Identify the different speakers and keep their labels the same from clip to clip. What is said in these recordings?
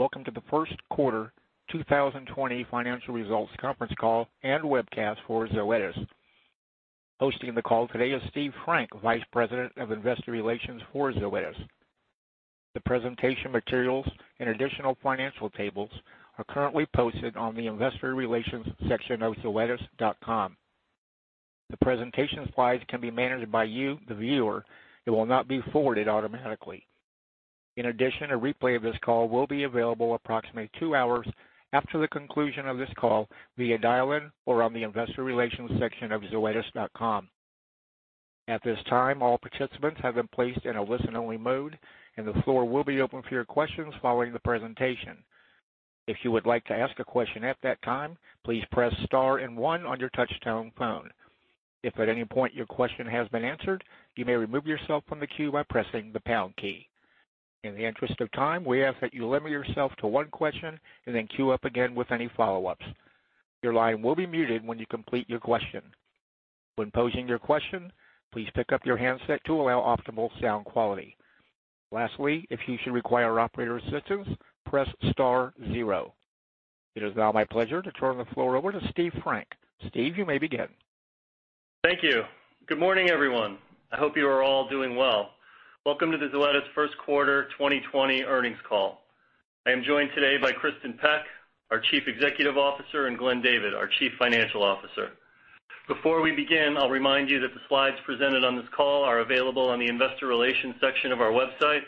Speaker 1: Welcome to the First quarter 2020 Financial Results Conference Call and Webcast for Zoetis. Hosting the call today is Steve Frank, Vice President of Investor Relations for Zoetis. The presentation materials and additional financial tables are currently posted on the investor relations section of zoetis.com. The presentation slides can be managed by you, the viewer. It will not be forwarded automatically. In addition, a replay of this call will be available approximately two hours after the conclusion of this call via dial-in or on the investor relations section of zoetis.com. At this time, all participants have been placed in a listen-only mode, and the floor will be open for your questions following the presentation. If you would like to ask a question at that time, please press star and one on your touch-tone phone. If at any point your question has been answered, you may remove yourself from the queue by pressing the pound key. In the interest of time, we ask that you limit yourself to one question and then queue up again with any follow-ups. Your line will be muted when you complete your question. When posing your question, please pick up your handset to allow optimal sound quality. Lastly, if you should require operator assistance, press star zero. It is now my pleasure to turn the floor over to Steve Frank. Steve, you may begin.
Speaker 2: Thank you. Good morning, everyone. I hope you are all doing well. Welcome to the Zoetis First Quarter 2020 Earnings Call. I am joined today by Kristin Peck, our Chief Executive Officer, and Glenn David, our Chief Financial Officer. Before we begin, I'll remind you that the slides presented on this call are available on the investor relations section of our website,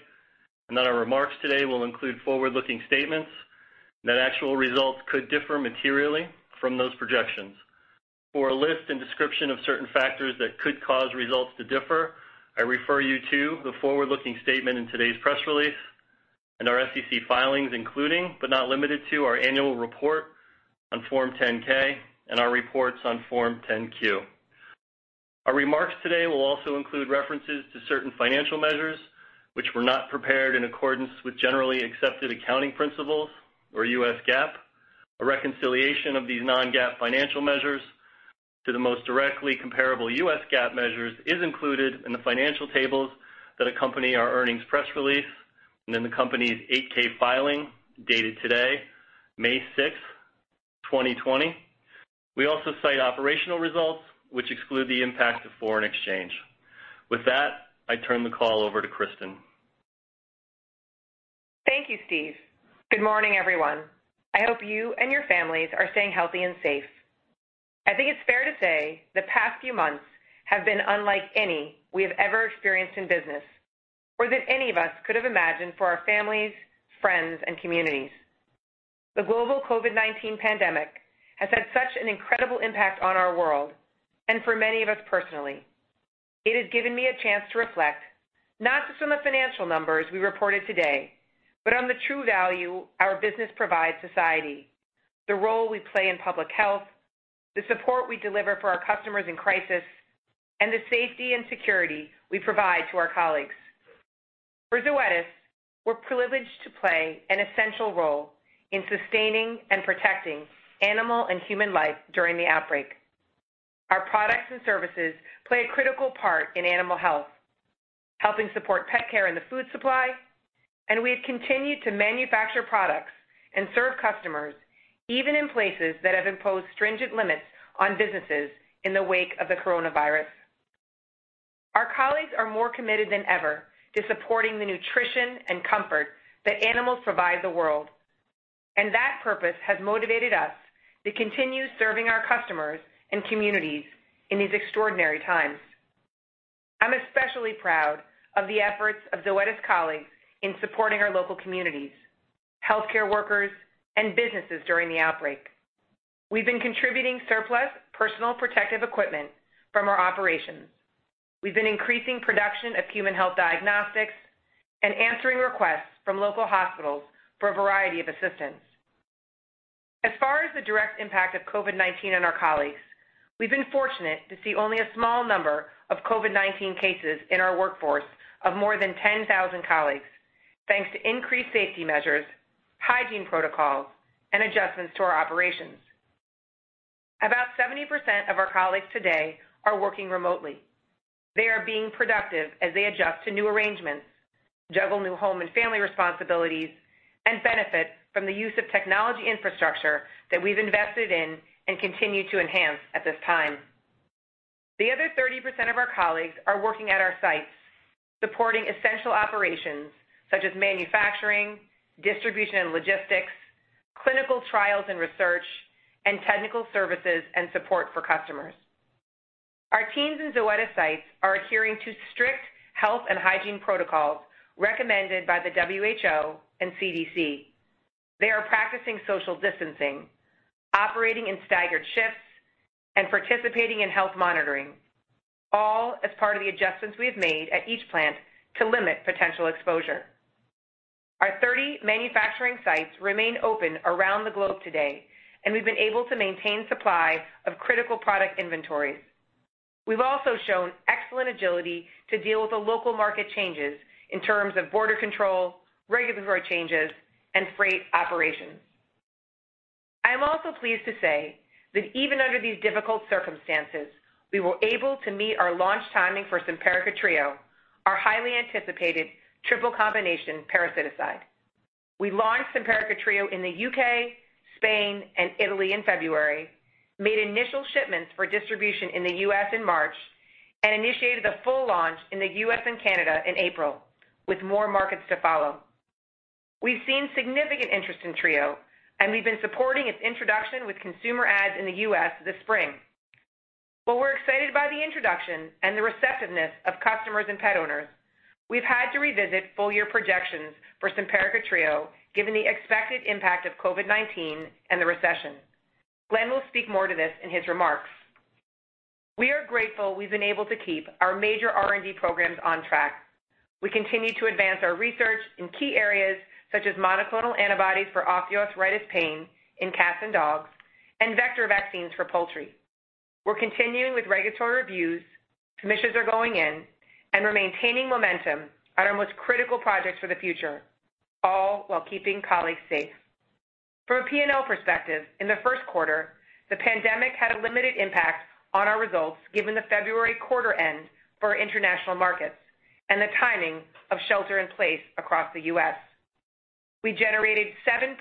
Speaker 2: and that our remarks today will include forward-looking statements and that actual results could differ materially from those projections. For a list and description of certain factors that could cause results to differ, I refer you to the forward-looking statement in today's press release and our SEC filings, including, but not limited to our annual report on Form 10-K and our reports on Form 10-Q. Our remarks today will also include references to certain financial measures which were not prepared in accordance with generally accepted accounting principles or U.S. GAAP. A reconciliation of these non-GAAP financial measures to the most directly comparable U.S. GAAP measures is included in the financial tables that accompany our earnings press release, in the company's 8-K filing dated today, May 6th, 2020. We also cite operational results which exclude the impact of foreign exchange. With that, I turn the call over to Kristin.
Speaker 3: Thank you, Steve. Good morning, everyone. I hope you and your families are staying healthy and safe. I think it's fair to say the past few months have been unlike any we have ever experienced in business or that any of us could have imagined for our families, friends, and communities. The global COVID-19 pandemic has had such an incredible impact on our world and for many of us personally. It has given me a chance to reflect not just on the financial numbers we reported today, but on the true value our business provides society, the role we play in public health, the support we deliver for our customers in crisis, and the safety and security we provide to our colleagues. For Zoetis, we're privileged to play an essential role in sustaining and protecting animal and human life during the outbreak. Our products and services play a critical part in animal health, helping support pet care in the food supply. We have continued to manufacture products and serve customers even in places that have imposed stringent limits on businesses in the wake of the coronavirus. Our colleagues are more committed than ever to supporting the nutrition and comfort that animals provide the world. That purpose has motivated us to continue serving our customers and communities in these extraordinary times. I'm especially proud of the efforts of Zoetis colleagues in supporting our local communities, healthcare workers, and businesses during the outbreak. We've been contributing surplus personal protective equipment from our operations. We've been increasing production of human health diagnostics and answering requests from local hospitals for a variety of assistance. As far as the direct impact of COVID-19 on our colleagues, we've been fortunate to see only a small number of COVID-19 cases in our workforce of more than 10,000 colleagues, thanks to increased safety measures, hygiene protocols, and adjustments to our operations. About 70% of our colleagues today are working remotely. They are being productive as they adjust to new arrangements, juggle new home and family responsibilities, and benefit from the use of technology infrastructure that we've invested in and continue to enhance at this time. The other 30% of our colleagues are working at our sites, supporting essential operations such as manufacturing, distribution and logistics, clinical trials and research, and technical services and support for customers. Our teams in Zoetis sites are adhering to strict health and hygiene protocols recommended by the WHO and CDC. They are practicing social distancing, operating in staggered shifts, and participating in health monitoring, all as part of the adjustments we have made at each plant to limit potential exposure. Our 30 manufacturing sites remain open around the globe today, and we've been able to maintain supply of critical product inventories. We've also shown excellent agility to deal with the local market changes in terms of border control, regulatory changes, and freight operations. I'm also pleased to say that even under these difficult circumstances, we were able to meet our launch timing for Simparica Trio, our highly anticipated triple combination parasiticide. We launched Simparica Trio in the U.K., Spain, and Italy in February, made initial shipments for distribution in the U.S. in March, and initiated the full launch in the U.S. and Canada in April, with more markets to follow. We've seen significant interest in Trio, and we've been supporting its introduction with consumer ads in the U.S. this spring. While we're excited by the introduction and the receptiveness of customers and pet owners, we've had to revisit full-year projections for Simparica Trio given the expected impact of COVID-19 and the recession. Glenn will speak more to this in his remarks. We are grateful we've been able to keep our major R&D programs on track. We continue to advance our research in key areas such as monoclonal antibodies for osteoarthritis pain in cats and dogs, and vector vaccines for poultry. We're continuing with regulatory reviews, submissions are going in, and we're maintaining momentum on our most critical projects for the future, all while keeping colleagues safe. From a P&L perspective, in the first quarter, the pandemic had a limited impact on our results given the February quarter end for our international markets and the timing of shelter in place across the U.S. We generated 7%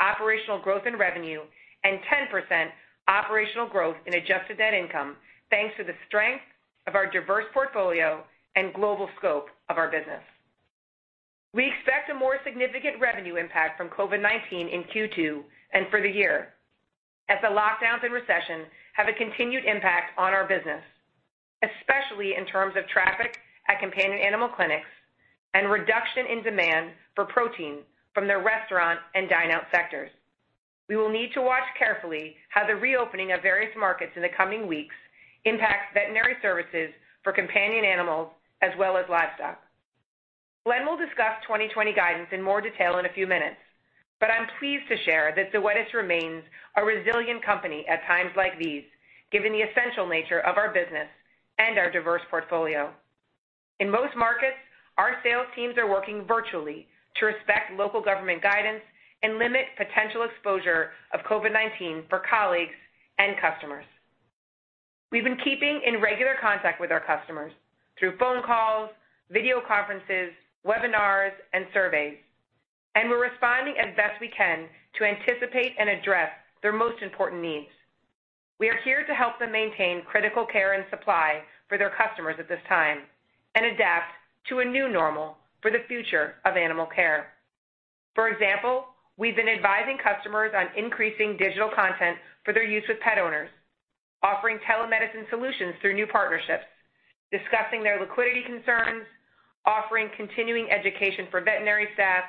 Speaker 3: operational growth in revenue and 10% operational growth in adjusted net income, thanks to the strength of our diverse portfolio and global scope of our business. We expect a more significant revenue impact from COVID-19 in Q2 and for the year as the lockdowns and recession have a continued impact on our business, especially in terms of traffic at companion animal clinics and reduction in demand for protein from the restaurant and dine-out sectors. We will need to watch carefully how the reopening of various markets in the coming weeks impacts veterinary services for companion animals as well as livestock. Glenn will discuss 2020 guidance in more detail in a few minutes, but I'm pleased to share that Zoetis remains a resilient company at times like these, given the essential nature of our business and our diverse portfolio. In most markets, our sales teams are working virtually to respect local government guidance and limit potential exposure of COVID-19 for colleagues and customers. We've been keeping in regular contact with our customers through phone calls, video conferences, webinars, and surveys. We're responding as best we can to anticipate and address their most important needs. We are here to help them maintain critical care and supply for their customers at this time and adapt to a new normal for the future of animal care. For example, we've been advising customers on increasing digital content for their use with pet owners, offering telemedicine solutions through new partnerships, discussing their liquidity concerns, offering continuing education for veterinary staff,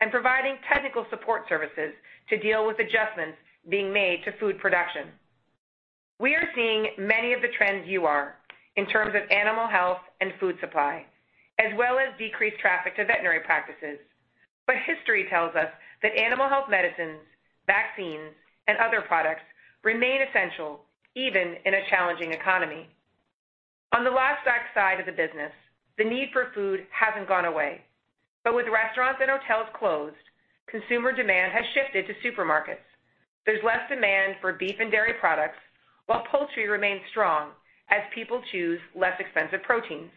Speaker 3: and providing technical support services to deal with adjustments being made to food production. We are seeing many of the trends you are in terms of animal health and food supply, as well as decreased traffic to veterinary practices. History tells us that animal health medicines, vaccines, and other products remain essential even in a challenging economy. On the livestock side of the business, the need for food hasn't gone away. With restaurants and hotels closed, consumer demand has shifted to supermarkets. There's less demand for beef and dairy products while poultry remains strong as people choose less expensive proteins.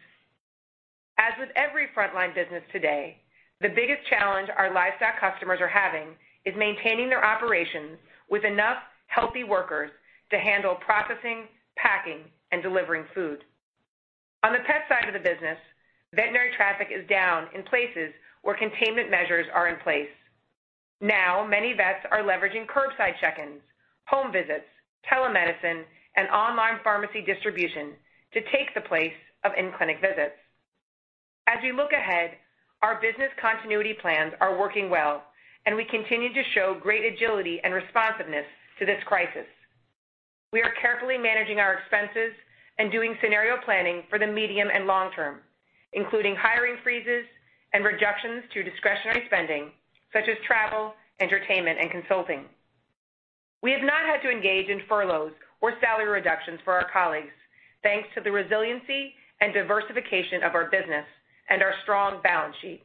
Speaker 3: As with every frontline business today, the biggest challenge our livestock customers are having is maintaining their operations with enough healthy workers to handle processing, packing, and delivering food. On the pet side of the business, veterinary traffic is down in places where containment measures are in place. Now, many vets are leveraging curbside check-ins, home visits, telemedicine, and online pharmacy distribution to take the place of in-clinic visits. As we look ahead, our business continuity plans are working well, and we continue to show great agility and responsiveness to this crisis. We are carefully managing our expenses and doing scenario planning for the medium and long term, including hiring freezes and reductions to discretionary spending such as travel, entertainment, and consulting. We have not had to engage in furloughs or salary reductions for our colleagues, thanks to the resiliency and diversification of our business and our strong balance sheet.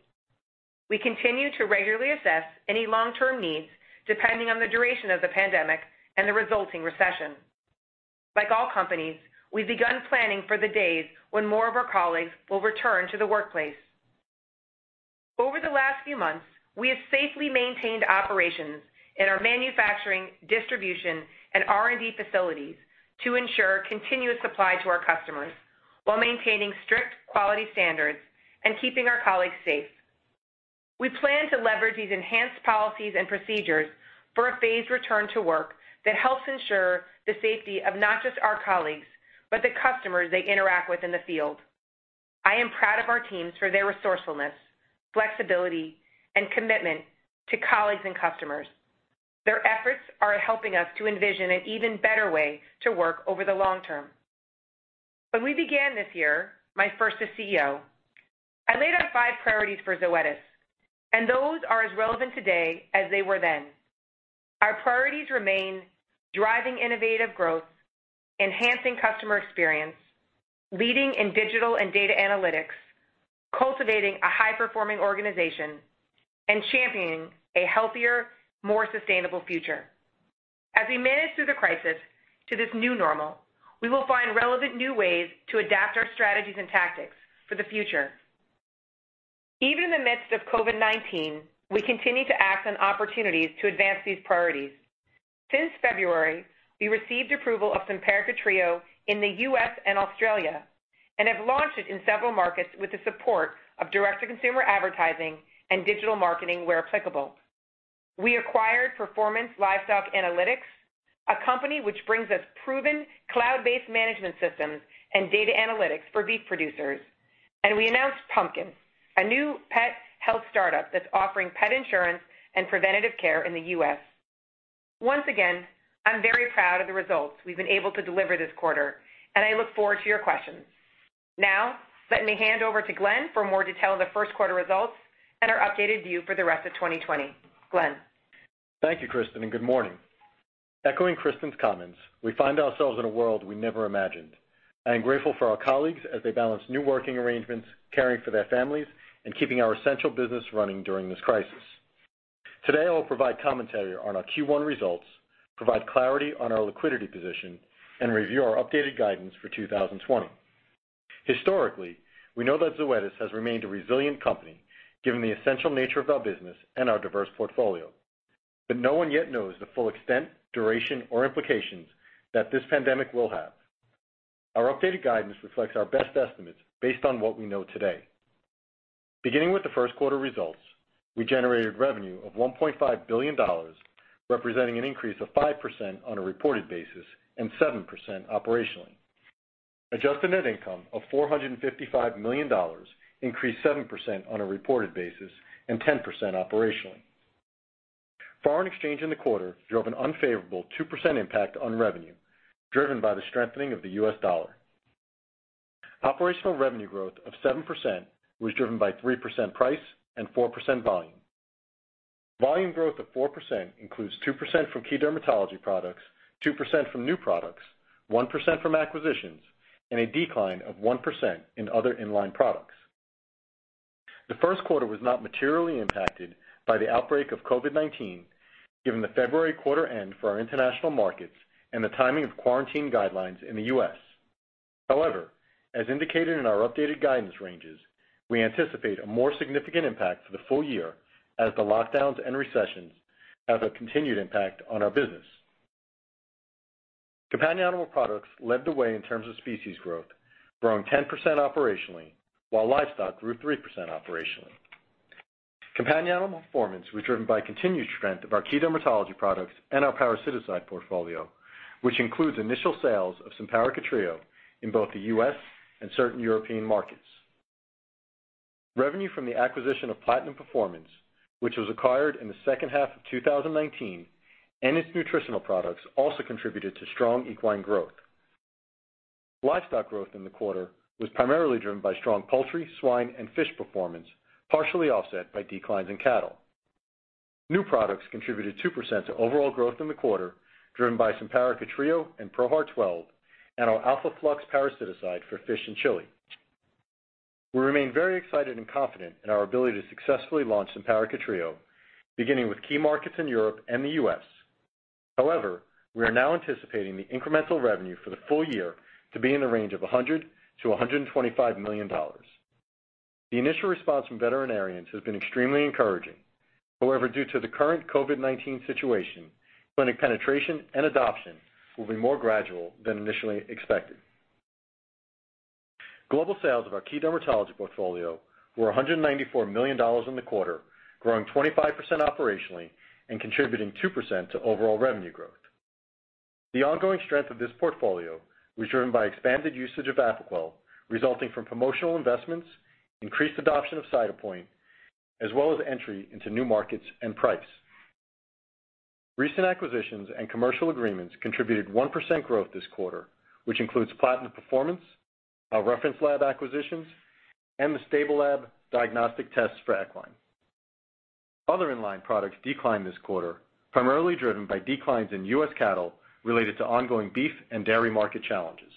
Speaker 3: We continue to regularly assess any long-term needs depending on the duration of the pandemic and the resulting recession. Like all companies, we've begun planning for the days when more of our colleagues will return to the workplace. Over the last few months, we have safely maintained operations in our manufacturing, distribution, and R&D facilities to ensure continuous supply to our customers while maintaining strict quality standards and keeping our colleagues safe. We plan to leverage these enhanced policies and procedures for a phased return to work that helps ensure the safety of not just our colleagues, but the customers they interact with in the field. I am proud of our teams for their resourcefulness, flexibility, and commitment to colleagues and customers. Their efforts are helping us to envision an even better way to work over the long term. When we began this year, my first as CEO, I laid out five priorities for Zoetis. Those are as relevant today as they were then. Our priorities remain driving innovative growth, enhancing customer experience, leading in digital and data analytics, cultivating a high-performing organization and championing a healthier, more sustainable future. As we manage through the crisis to this new normal, we will find relevant new ways to adapt our strategies and tactics for the future. Even in the midst of COVID-19, we continue to act on opportunities to advance these priorities. Since February, we received approval of Simparica Trio in the U.S. and Australia. We have launched it in several markets with the support of direct-to-consumer advertising and digital marketing where applicable. We acquired Performance Livestock Analytics, a company which brings us proven cloud-based management systems and data analytics for beef producers. We announced Pumpkin, a new pet health startup that's offering pet insurance and preventative care in the U.S. Once again, I'm very proud of the results we've been able to deliver this quarter, and I look forward to your questions. Let me hand over to Glenn for more detail on the first quarter results and our updated view for the rest of 2020. Glenn.
Speaker 4: Thank you, Kristin, and good morning. Echoing Kristin's comments, we find ourselves in a world we never imagined. I am grateful for our colleagues as they balance new working arrangements, caring for their families, and keeping our essential business running during this crisis. Today, I'll provide commentary on our Q1 results, provide clarity on our liquidity position, and review our updated guidance for 2020. Historically, we know that Zoetis has remained a resilient company, given the essential nature of our business and our diverse portfolio. No one yet knows the full extent, duration, or implications that this pandemic will have. Our updated guidance reflects our best estimates based on what we know today. Beginning with the first quarter results, we generated revenue of $1.5 billion, representing an increase of 5% on a reported basis and 7% operationally. Adjusted net income of $455 million increased 7% on a reported basis and 10% operationally. Foreign exchange in the quarter drove an unfavorable 2% impact on revenue, driven by the strengthening of the U.S. dollar. Operational revenue growth of 7% was driven by 3% price and 4% volume. Volume growth of 4% includes 2% from key dermatology products, 2% from new products, 1% from acquisitions, and a decline of 1% in other inline products. The first quarter was not materially impacted by the outbreak of COVID-19, given the February quarter end for our international markets and the timing of quarantine guidelines in the U.S. As indicated in our updated guidance ranges, we anticipate a more significant impact for the full year as the lockdowns and recessions have a continued impact on our business. Companion animal products led the way in terms of species growth, growing 10% operationally, while livestock grew 3% operationally. Companion animal performance was driven by continued strength of our key dermatology products and our parasiticide portfolio, which includes initial sales of Simparica Trio in both the U.S. and certain European markets. Revenue from the acquisition of Platinum Performance, which was acquired in the second half of 2019, and its nutritional products also contributed to strong equine growth. Livestock growth in the quarter was primarily driven by strong poultry, swine, and fish performance, partially offset by declines in cattle. New products contributed 2% to overall growth in the quarter, driven by Simparica Trio and ProHeart 12 and our AlphaFlux parasiticide for fish in Chile. We remain very excited and confident in our ability to successfully launch Simparica Trio, beginning with key markets in Europe and the U.S. We are now anticipating the incremental revenue for the full year to be in the range of $100 million-$125 million. The initial response from veterinarians has been extremely encouraging. Due to the current COVID-19 situation, clinic penetration and adoption will be more gradual than initially expected. Global sales of our key dermatology portfolio were $194 million in the quarter, growing 25% operationally and contributing 2% to overall revenue growth. The ongoing strength of this portfolio was driven by expanded usage of Apoquel, resulting from promotional investments, increased adoption of Cytopoint, as well as entry into new markets and price. Recent acquisitions and commercial agreements contributed 1% growth this quarter, which includes Platinum Performance, our reference lab acquisitions, and the Stablelab diagnostic tests for equine. Other inline products declined this quarter, primarily driven by declines in U.S. cattle related to ongoing beef and dairy market challenges.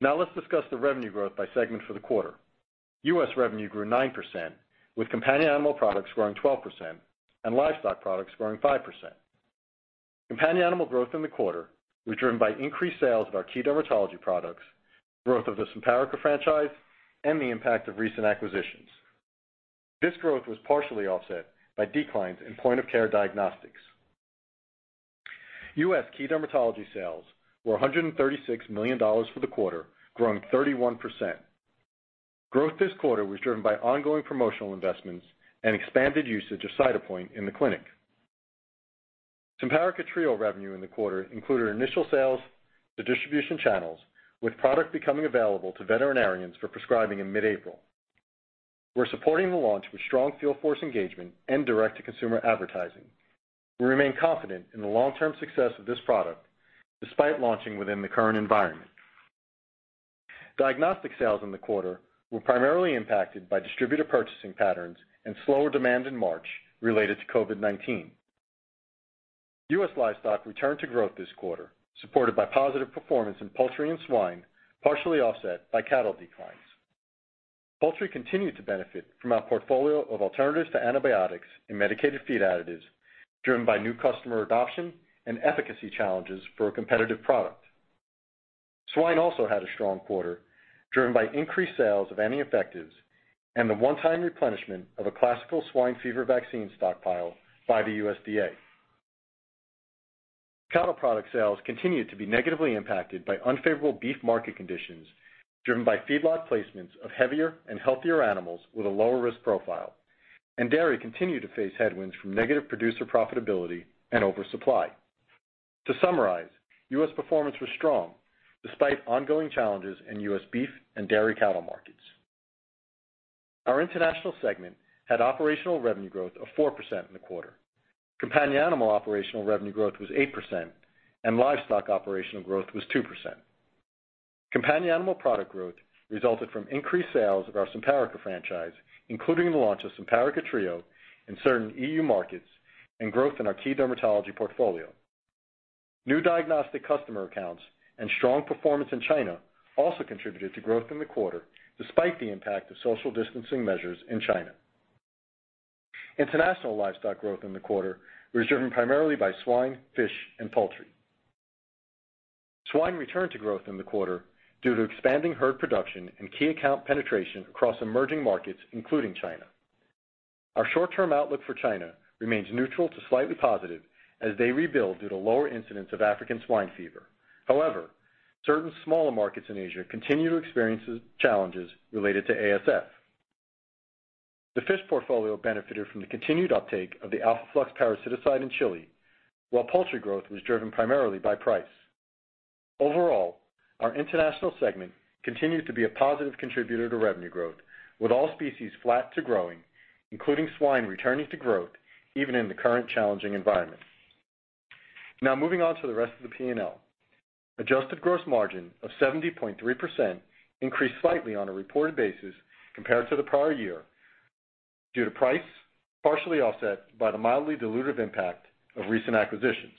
Speaker 4: Let's discuss the revenue growth by segment for the quarter. U.S. revenue grew 9%, with companion animal products growing 12% and livestock products growing 5%. Companion animal growth in the quarter was driven by increased sales of our key dermatology products, growth of the Simparica franchise, and the impact of recent acquisitions. This growth was partially offset by declines in point-of-care diagnostics. U.S. key dermatology sales were $136 million for the quarter, growing 31%. Growth this quarter was driven by ongoing promotional investments and expanded usage of Cytopoint in the clinic. Simparica Trio revenue in the quarter included initial sales to distribution channels, with product becoming available to veterinarians for prescribing in mid-April. We're supporting the launch with strong field force engagement and direct-to-consumer advertising. We remain confident in the long-term success of this product despite launching within the current environment. Diagnostic sales in the quarter were primarily impacted by distributor purchasing patterns and slower demand in March related to COVID-19. U.S. livestock returned to growth this quarter, supported by positive performance in poultry and swine, partially offset by cattle declines. Poultry continued to benefit from our portfolio of alternatives to antibiotics and medicated feed additives, driven by new customer adoption and efficacy challenges for a competitive product. Swine also had a strong quarter, driven by increased sales of any effective and the one-time replenishment of a classical swine fever vaccine stockpile by the USDA. Cattle product sales continued to be negatively impacted by unfavorable beef market conditions, driven by feedlot placements of heavier and healthier animals with a lower risk profile, and dairy continued to face headwinds from negative producer profitability and oversupply. To summarize, U.S. performance was strong despite ongoing challenges in U.S. beef and dairy cattle markets. Our international segment had operational revenue growth of 4% in the quarter. Companion animal operational revenue growth was 8%, and livestock operational growth was 2%. Companion animal product growth resulted from increased sales of our Simparica franchise, including the launch of Simparica Trio in certain EU markets and growth in our key dermatology portfolio. New diagnostic customer accounts and strong performance in China also contributed to growth in the quarter, despite the impact of social distancing measures in China. International livestock growth in the quarter was driven primarily by swine, fish, and poultry. Swine returned to growth in the quarter due to expanding herd production and key account penetration across emerging markets, including China. Our short-term outlook for China remains neutral to slightly positive as they rebuild due to lower incidents of African swine fever. Certain smaller markets in Asia continue to experience challenges related to ASF. The fish portfolio benefited from the continued uptake of the Alpha Flux parasiticide in Chile, while poultry growth was driven primarily by price. Overall, our international segment continued to be a positive contributor to revenue growth, with all species flat to growing, including swine returning to growth even in the current challenging environment. Now moving on to the rest of the P&L. Adjusted gross margin of 70.3% increased slightly on a reported basis compared to the prior year due to price, partially offset by the mildly dilutive impact of recent acquisitions.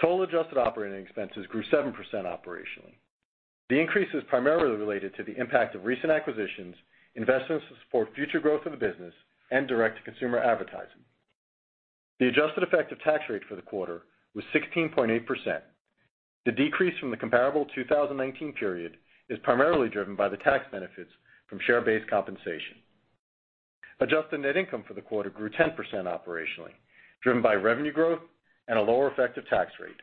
Speaker 4: Total adjusted operating expenses grew 7% operationally. The increase is primarily related to the impact of recent acquisitions, investments for future growth of the business, and direct-to-consumer advertising. The adjusted effective tax rate for the quarter was 16.8%. The decrease from the comparable 2019 period is primarily driven by the tax benefits from share-based compensation. Adjusted net income for the quarter grew 10% operationally, driven by revenue growth and a lower effective tax rate,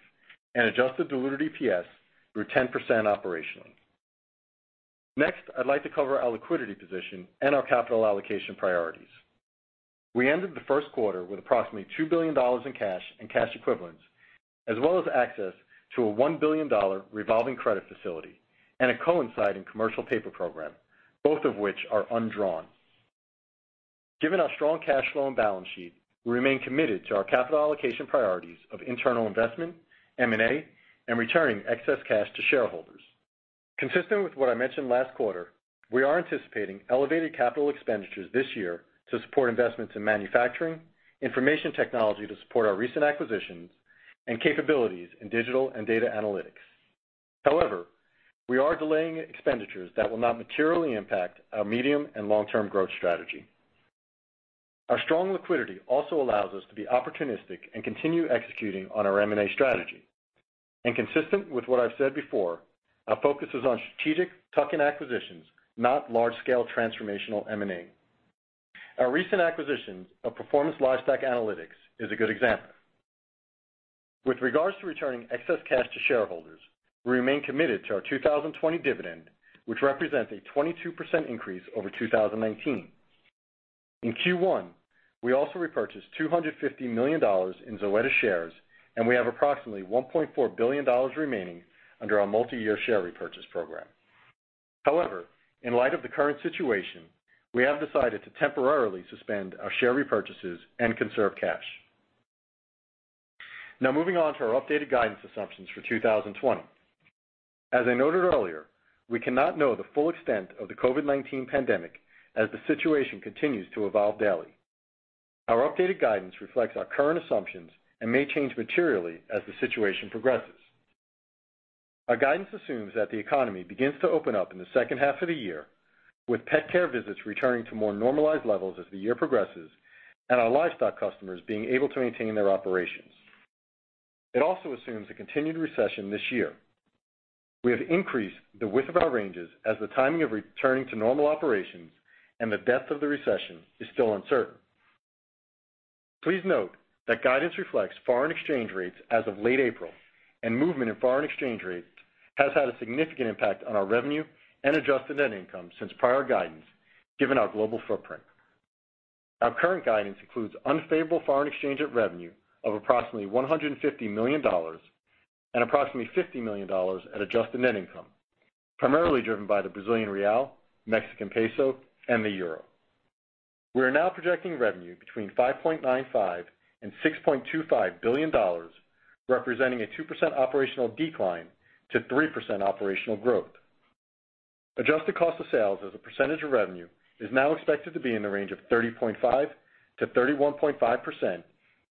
Speaker 4: and adjusted diluted EPS grew 10% operationally. I'd like to cover our liquidity position and our capital allocation priorities. We ended the first quarter with approximately $2 billion in cash and cash equivalents, as well as access to a $1 billion revolving credit facility and a coinciding commercial paper program, both of which are undrawn. Given our strong cash flow and balance sheet, we remain committed to our capital allocation priorities of internal investment, M&A, and returning excess cash to shareholders. Consistent with what I mentioned last quarter, we are anticipating elevated capital expenditures this year to support investments in manufacturing, information technology to support our recent acquisitions, and capabilities in digital and data analytics. However, we are delaying expenditures that will not materially impact our medium and long-term growth strategy. Our strong liquidity also allows us to be opportunistic and continue executing on our M&A strategy. Consistent with what I've said before, our focus is on strategic tuck-in acquisitions, not large-scale transformational M&A. Our recent acquisition of Performance Livestock Analytics is a good example. With regards to returning excess cash to shareholders, we remain committed to our 2020 dividend, which represents a 22% increase over 2019. In Q1, we also repurchased $250 million in Zoetis shares, and we have approximately $1.4 billion remaining under our multi-year share repurchase program. However, in light of the current situation, we have decided to temporarily suspend our share repurchases and conserve cash. Now moving on to our updated guidance assumptions for 2020. As I noted earlier, we cannot know the full extent of the COVID-19 pandemic as the situation continues to evolve daily. Our updated guidance reflects our current assumptions and may change materially as the situation progresses. Our guidance assumes that the economy begins to open up in the second half of the year, with pet care visits returning to more normalized levels as the year progresses and our livestock customers being able to maintain their operations. It also assumes a continued recession this year. We have increased the width of our ranges as the timing of returning to normal operations and the depth of the recession is still uncertain. Please note that guidance reflects foreign exchange rates as of late April and movement in foreign exchange rates has had a significant impact on our revenue and adjusted net income since prior guidance, given our global footprint. Our current guidance includes unfavorable foreign exchange of revenue of approximately $150 million and approximately $50 million at adjusted net income, primarily driven by the Brazilian real, Mexican peso, and the euro. We are now projecting revenue between $5.95 billion and $6.25 billion, representing a 2% operational decline to 3% operational growth. Adjusted cost of sales as a percentage of revenue is now expected to be in the range of 30.5%-31.5%,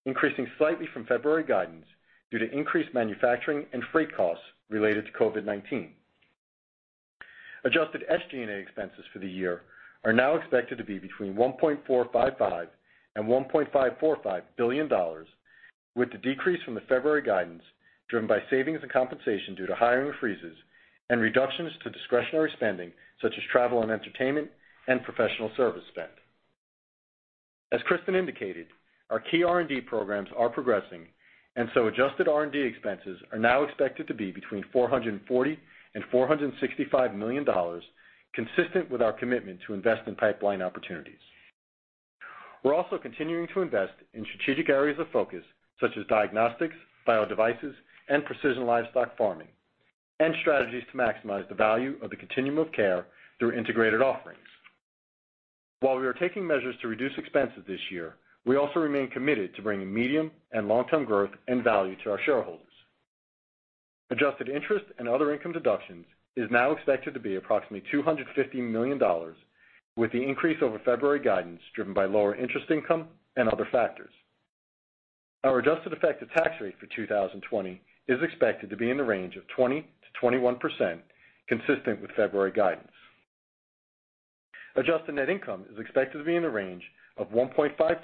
Speaker 4: increasing slightly from February guidance due to increased manufacturing and freight costs related to COVID-19. Adjusted SG&A expenses for the year are now expected to be between $1.455 billion and $1.545 billion, with the decrease from the February guidance driven by savings and compensation due to hiring freezes and reductions to discretionary spending such as travel and entertainment and professional service spend. As Kristin indicated, our key R&D programs are progressing, and so adjusted R&D expenses are now expected to be between $440 million and $465 million, consistent with our commitment to invest in pipeline opportunities. We're also continuing to invest in strategic areas of focus such as diagnostics, biodevices, and precision livestock farming, and strategies to maximize the value of the continuum of care through integrated offerings. While we are taking measures to reduce expenses this year, we also remain committed to bringing medium and long-term growth and value to our shareholders. Adjusted interest and other income deductions is now expected to be approximately $250 million, with the increase over February guidance driven by lower interest income and other factors. Our adjusted effective tax rate for 2020 is expected to be in the range of 20%-21%, consistent with February guidance. Adjusted net income is expected to be in the range of $1.52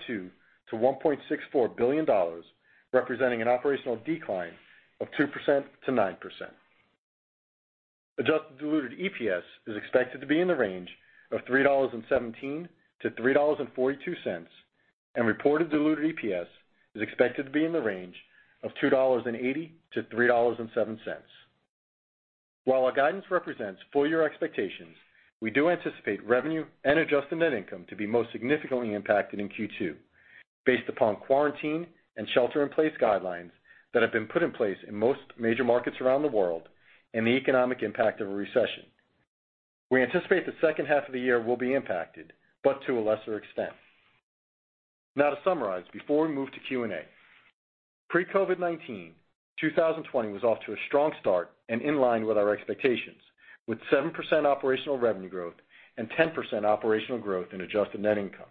Speaker 4: billion-$1.64 billion, representing an operational decline of 2%-9%. Adjusted diluted EPS is expected to be in the range of $3.17-$3.42, and reported diluted EPS is expected to be in the range of $2.80-$3.07. While our guidance represents full-year expectations, we do anticipate revenue and adjusted net income to be most significantly impacted in Q2 based upon quarantine and shelter-in-place guidelines that have been put in place in most major markets around the world and the economic impact of a recession. We anticipate the second half of the year will be impacted, but to a lesser extent. Now to summarize before we move to Q and A. Pre-COVID-19, 2020 was off to a strong start and in line with our expectations, with 7% operational revenue growth and 10% operational growth in adjusted net income.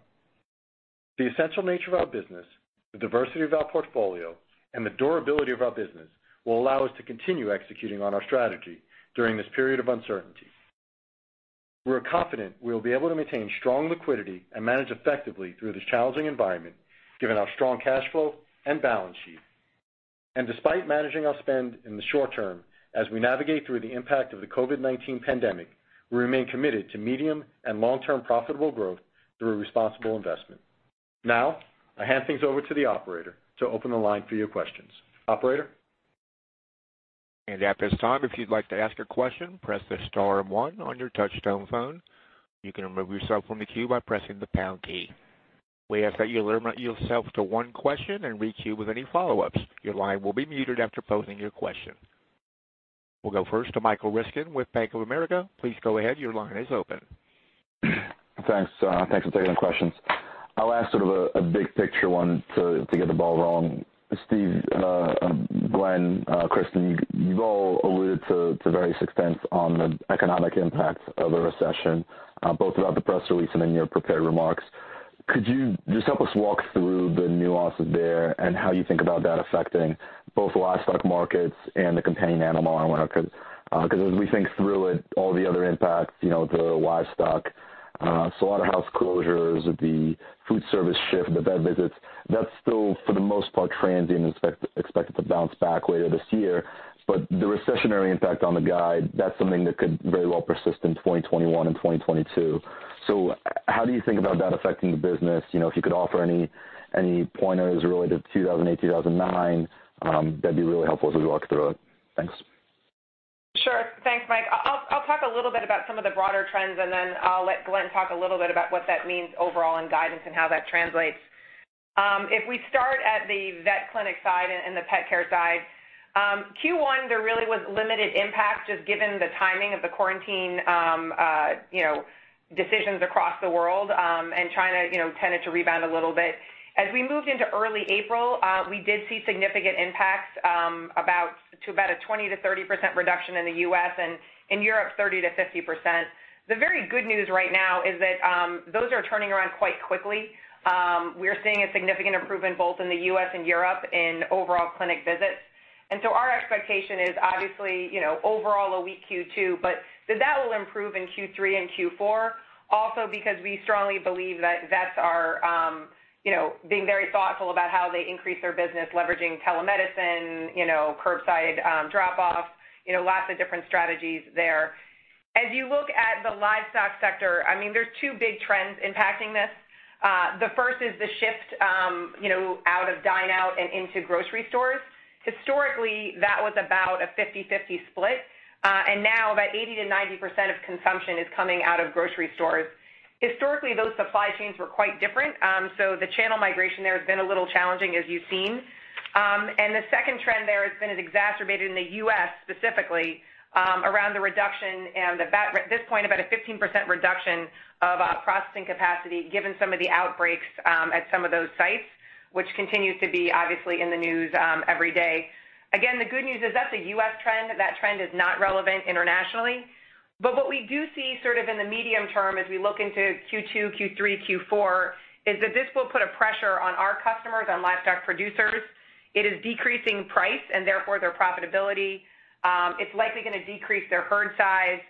Speaker 4: The essential nature of our business, the diversity of our portfolio, and the durability of our business will allow us to continue executing on our strategy during this period of uncertainty. We're confident we'll be able to maintain strong liquidity and manage effectively through this challenging environment, given our strong cash flow and balance sheet. Despite managing our spend in the short term, as we navigate through the impact of the COVID-19 pandemic, we remain committed to medium and long-term profitable growth through responsible investment. Now, I hand things over to the operator to open the line for your questions. Operator?
Speaker 1: At this time, if you'd like to ask a question, press the star and one on your touchtone phone. You can remove yourself from the queue by pressing the pound key. We ask that you limit yourself to one question and re-queue with any follow-ups. Your line will be muted after posing your question. We'll go first to Michael Ryskin with Bank of America. Please go ahead. Your line is open.
Speaker 5: Thanks. Thanks for taking the questions. I'll ask sort of a big picture one to get the ball rolling. Steve, Glenn, Kristin, you've all alluded to various extents on the economic impact of a recession, both throughout the press release and in your prepared remarks. Could you just help us walk through the nuances there and how you think about that affecting both livestock markets and the companion animal market? As we think through it, all the other impacts, the livestock, slaughterhouse closures, the food service shift, the vet visits, that's still, for the most part, transient and expected to bounce back later this year. The recessionary impact on the guide, that's something that could very well persist in 2021 and 2022. How do you think about that affecting the business? If you could offer any pointers related to 2008, 2009, that'd be really helpful as we walk through it. Thanks.
Speaker 3: Sure. Thanks, Mike. I'll talk a little bit about some of the broader trends, and then I'll let Glenn talk a little bit about what that means overall in guidance and how that translates. If we start at the vet clinic side and the pet care side, Q1, there really was limited impact just given the timing of the quarantine decisions across the world, and China tended to rebound a little bit. As we moved into early April, we did see significant impacts, to about a 20%-30% reduction in the U.S., and in Europe, 30%-50%. The very good news right now is that those are turning around quite quickly. We're seeing a significant improvement both in the U.S. and Europe in overall clinic visits. Our expectation is obviously overall a weak Q2, but that will improve in Q3 and Q4 also because we strongly believe that vets are being very thoughtful about how they increase their business, leveraging telemedicine, curbside drop-off, lots of different strategies there. As you look at the livestock sector, there's two big trends impacting this. The first is the shift out of dine out and into grocery stores. Historically, that was about a 50/50 split. Now, about 80%-90% of consumption is coming out of grocery stores. Historically, those supply chains were quite different. The channel migration there has been a little challenging, as you've seen. The second trend there has been exacerbated in the U.S. specifically, around the reduction and at this point, about a 15% reduction of processing capacity given some of the outbreaks at some of those sites, which continues to be obviously in the news every day. Again, the good news is that's a U.S. trend. That trend is not relevant internationally. What we do see in the medium term as we look into Q2, Q3, Q4, is that this will put a pressure on our customers, on livestock producers. It is decreasing price and therefore their profitability. It's likely going to decrease their herd size,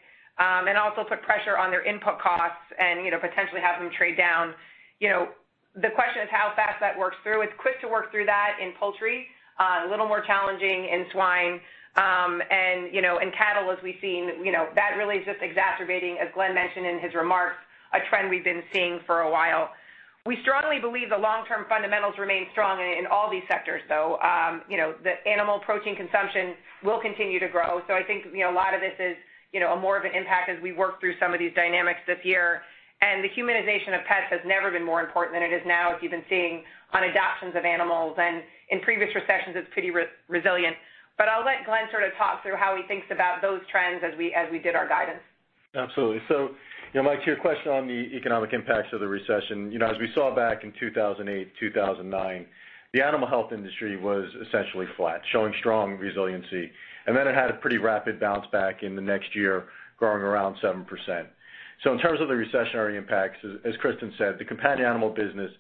Speaker 3: and also put pressure on their input costs and potentially have them trade down. The question is how fast that works through. It's quick to work through that in poultry. A little more challenging in swine. In cattle, as we've seen, that really is just exacerbating, as Glenn mentioned in his remarks, a trend we've been seeing for a while. We strongly believe the long-term fundamentals remain strong in all these sectors, though. The animal protein consumption will continue to grow. I think a lot of this is more of an impact as we work through some of these dynamics this year. The humanization of pets has never been more important than it is now, as you've been seeing on adoptions of animals and in previous recessions, it's pretty resilient. I'll let Glenn talk through how he thinks about those trends as we did our guidance.
Speaker 4: Absolutely. Mike, to your question on the economic impacts of the recession, as we saw back in 2008, 2009, the animal health industry was essentially flat, showing strong resiliency. It had a pretty rapid bounce back in the next year, growing around 7%. In terms of the recessionary impacts, as Kristin said, the companion animal business,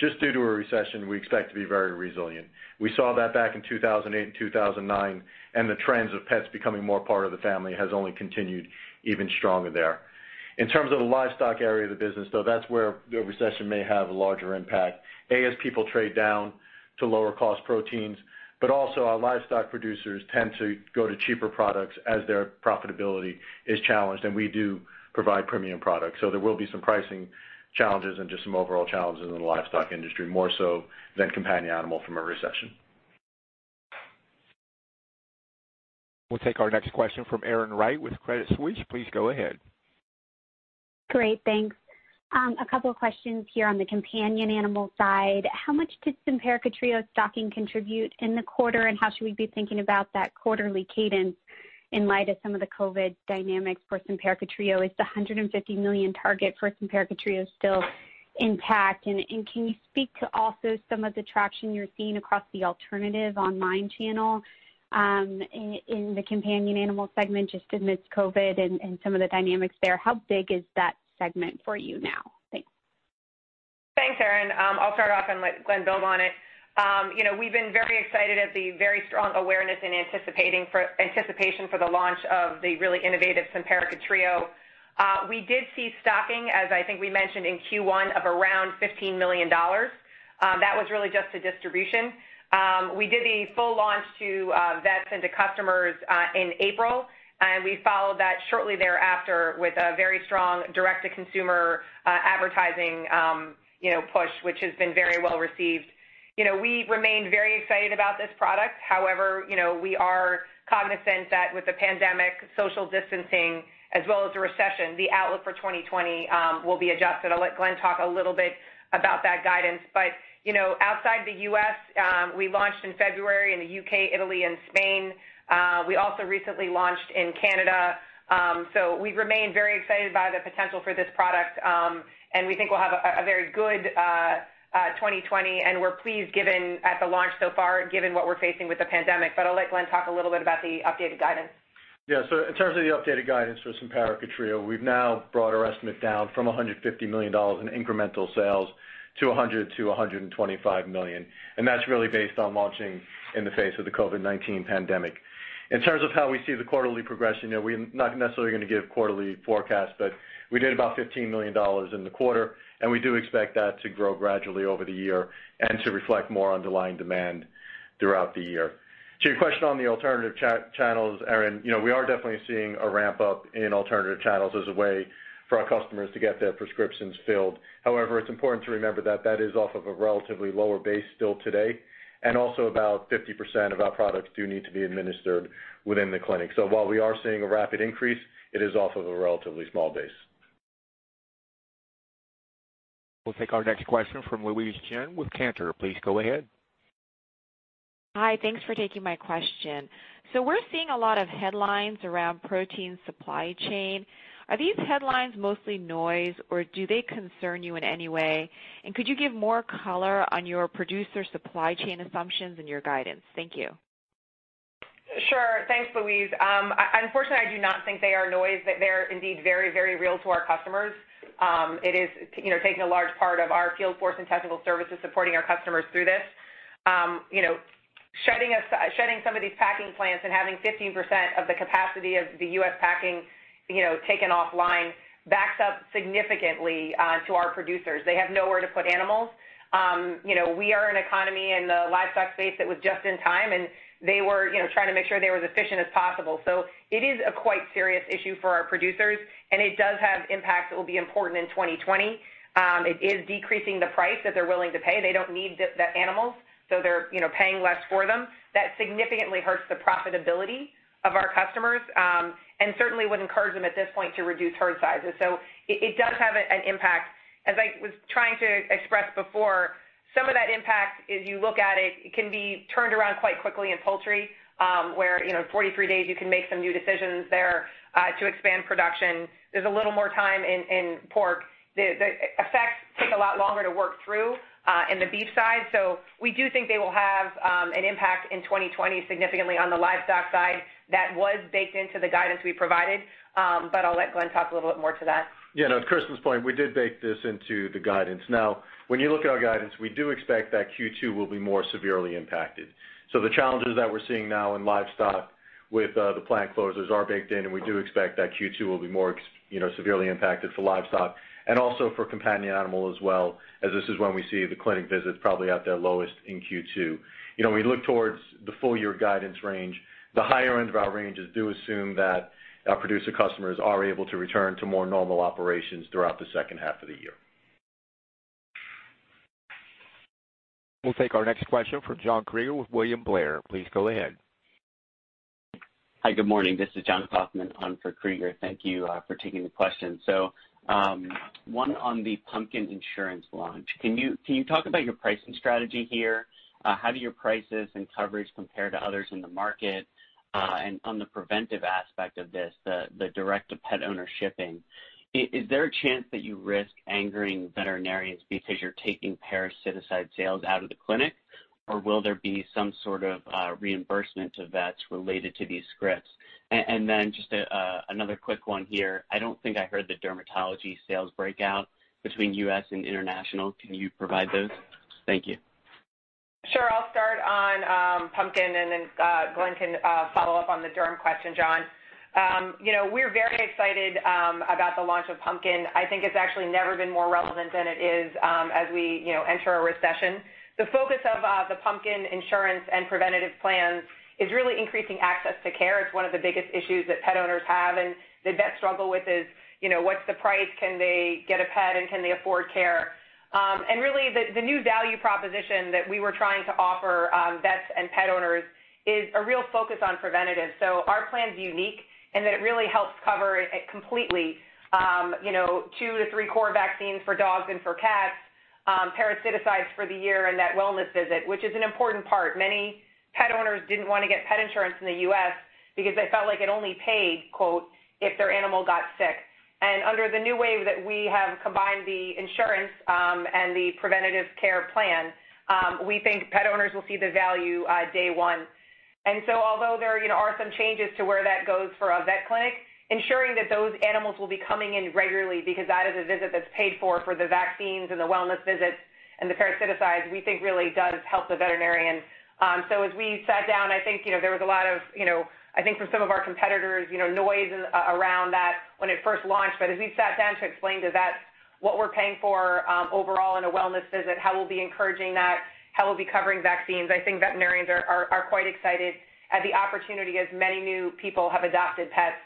Speaker 4: just due to a recession, we expect to be very resilient. We saw that back in 2008 and 2009, and the trends of pets becoming more part of the family has only continued even stronger there. In terms of the livestock area of the business, though, that's where the recession may have a larger impact. A, as people trade down to lower-cost proteins, but also our livestock producers tend to go to cheaper products as their profitability is challenged, and we do provide premium products. There will be some pricing challenges and just some overall challenges in the livestock industry, more so than companion animal from a recession.
Speaker 1: We'll take our next question from Erin Wright with Credit Suisse. Please go ahead.
Speaker 6: Great. Thanks. A couple of questions here on the companion animal side. How much did Simparica Trio stocking contribute in the quarter, and how should we be thinking about that quarterly cadence in light of some of the COVID dynamics for Simparica Trio? Is the $150 million target for Simparica Trio still intact? Can you speak to also some of the traction you're seeing across the alternative online channel in the companion animal segment, just amidst COVID and some of the dynamics there? How big is that segment for you now? Thanks.
Speaker 3: Thanks, Erin. I'll start off and let Glenn build on it. We've been very excited at the very strong awareness and anticipation for the launch of the really innovative Simparica Trio. We did see stocking, as I think we mentioned in Q1, of around $15 million. That was really just the distribution. We did the full launch to vets and to customers in April. We followed that shortly thereafter with a very strong direct-to-consumer advertising push, which has been very well-received. We remain very excited about this product. However, we are cognizant that with the pandemic, social distancing, as well as the recession, the outlook for 2020 will be adjusted. I'll let Glenn talk a little bit about that guidance. Outside the U.S., we launched in February in the U.K., Italy, and Spain. We also recently launched in Canada. We remain very excited by the potential for this product, and we think we'll have a very good 2020, and we're pleased at the launch so far, given what we're facing with the pandemic. I'll let Glenn talk a little bit about the updated guidance.
Speaker 4: Yeah. In terms of the updated guidance for Simparica Trio, we've now brought our estimate down from $150 million in incremental sales to $100 million-$125 million. That's really based on launching in the face of the COVID-19 pandemic. In terms of how we see the quarterly progression, we're not necessarily going to give quarterly forecast, we did about $15 million in the quarter, and we do expect that to grow gradually over the year and to reflect more underlying demand throughout the year. To your question on the alternative channels, Erin, we are definitely seeing a ramp-up in alternative channels as a way for our customers to get their prescriptions filled. However, it's important to remember that that is off of a relatively lower base still today, and also about 50% of our products do need to be administered within the clinic. While we are seeing a rapid increase, it is off of a relatively small base.
Speaker 1: We'll take our next question from Louise Chen with Cantor. Please go ahead.
Speaker 7: Hi. Thanks for taking my question. We're seeing a lot of headlines around protein supply chain. Are these headlines mostly noise, or do they concern you in any way? Could you give more color on your producer supply chain assumptions in your guidance? Thank you.
Speaker 3: Sure. Thanks, Louise. Unfortunately, I do not think they are noise. They're indeed very real to our customers. It is taking a large part of our field force and technical services supporting our customers through this. Shutting some of these packing plants and having 50% of the capacity of the U.S. packing taken offline backs up significantly to our producers. They have nowhere to put animals. We are an economy in the livestock space that was just in time, and they were trying to make sure they were as efficient as possible. It is a quite serious issue for our producers, and it does have impacts that will be important in 2020. It is decreasing the price that they're willing to pay. They don't need the animals, so they're paying less for them. That significantly hurts the profitability of our customers, and certainly would encourage them at this point to reduce herd sizes. It does have an impact. As I was trying to express before, some of that impact, as you look at it, can be turned around quite quickly in poultry, where in 43 days, you can make some new decisions there to expand production. There's a little more time in pork. The effects take a lot longer to work through in the beef side. We do think they will have an impact in 2020 significantly on the livestock side. That was baked into the guidance we provided. I'll let Glenn talk a little bit more to that.
Speaker 4: Yeah, no, to Kristin's point, we did bake this into the guidance. When you look at our guidance, we do expect that Q2 will be more severely impacted. The challenges that we're seeing now in livestock with the plant closures are baked in, and we do expect that Q2 will be more severely impacted for livestock and also for companion animal as well, as this is when we see the clinic visits probably at their lowest in Q2. When we look towards the full-year guidance range, the higher end of our ranges do assume that our producer customers are able to return to more normal operations throughout the second half of the year.
Speaker 1: We'll take our next question from John Kreger with William Blair. Please go ahead.
Speaker 8: Hi. Good morning. This is Jon Kaufman on for Kreger. Thank you for taking the question. One on the Pumpkin launch. Can you talk about your pricing strategy here? How do your prices and coverage compare to others in the market? On the preventive aspect of this, the direct-to-pet-owner shipping, is there a chance that you risk angering veterinarians because you're taking parasiticide sales out of the clinic? Will there be some sort of reimbursement to vets related to these scripts? Then just another quick one here. I don't think I heard the dermatology sales breakout between U.S. and international. Can you provide those? Thank you.
Speaker 3: I'll start on Pumpkin, then Glenn can follow up on the derm question, Jon. We're very excited about the launch of Pumpkin. I think it's actually never been more relevant than it is as we enter a recession. The focus of the Pumpkin insurance and preventative plans is really increasing access to care. It's one of the biggest issues that pet owners have, and the vet struggle with is, what's the price? Can they get a pet, and can they afford care? Really, the new value proposition that we were trying to offer vets and pet owners is a real focus on preventative. Our plan's unique in that it really helps cover it completely. Two to three core vaccines for dogs and for cats, parasiticides for the year, and that wellness visit, which is an important part. Many pet owners didn't want to get pet insurance in the U.S. because they felt like it only paid "if their animal got sick." Under the new wave that we have combined the insurance and the preventative care plan, we think pet owners will see the value day one. Although there are some changes to where that goes for a vet clinic, ensuring that those animals will be coming in regularly because that is a visit that's paid for the vaccines and the wellness visits and the parasiticides, we think really does help the veterinarian. As we sat down, I think there was a lot of, I think from some of our competitors, noise around that when it first launched. As we sat down to explain to vets what we're paying for overall in a wellness visit, how we'll be encouraging that, how we'll be covering vaccines, I think veterinarians are quite excited at the opportunity as many new people have adopted pets.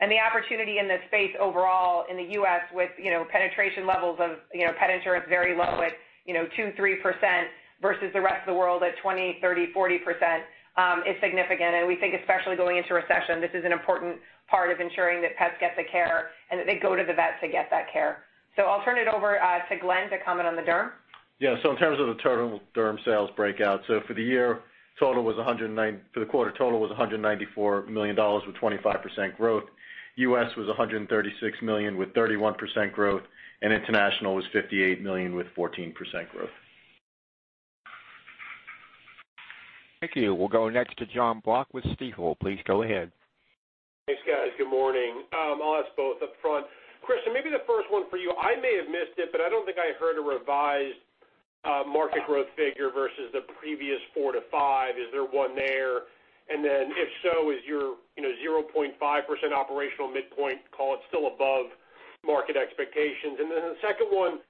Speaker 3: The opportunity in this space overall in the U.S. with penetration levels of pet insurance very low at 2%, 3% versus the rest of the world at 20%, 30%, 40%, is significant. We think especially going into recession, this is an important part of ensuring that pets get the care and that they go to the vet to get that care. I'll turn it over to Glenn to comment on the derm.
Speaker 4: Yeah. In terms of the total derm sales breakout, so for the quarter total was $194 million with 25% growth. U.S. was $136 million with 31% growth, and international was $58 million with 14% growth.
Speaker 1: Thank you. We'll go next to Jon Block with Stifel. Please go ahead.
Speaker 9: Thanks, guys. Good morning. I'll ask both up front. Kristin, maybe the first one for you. I may have missed it, but I don't think I heard a revised market growth figure versus the previous 4%-5%. If so, is your 0.5% operational midpoint call still above market expectations? The second one,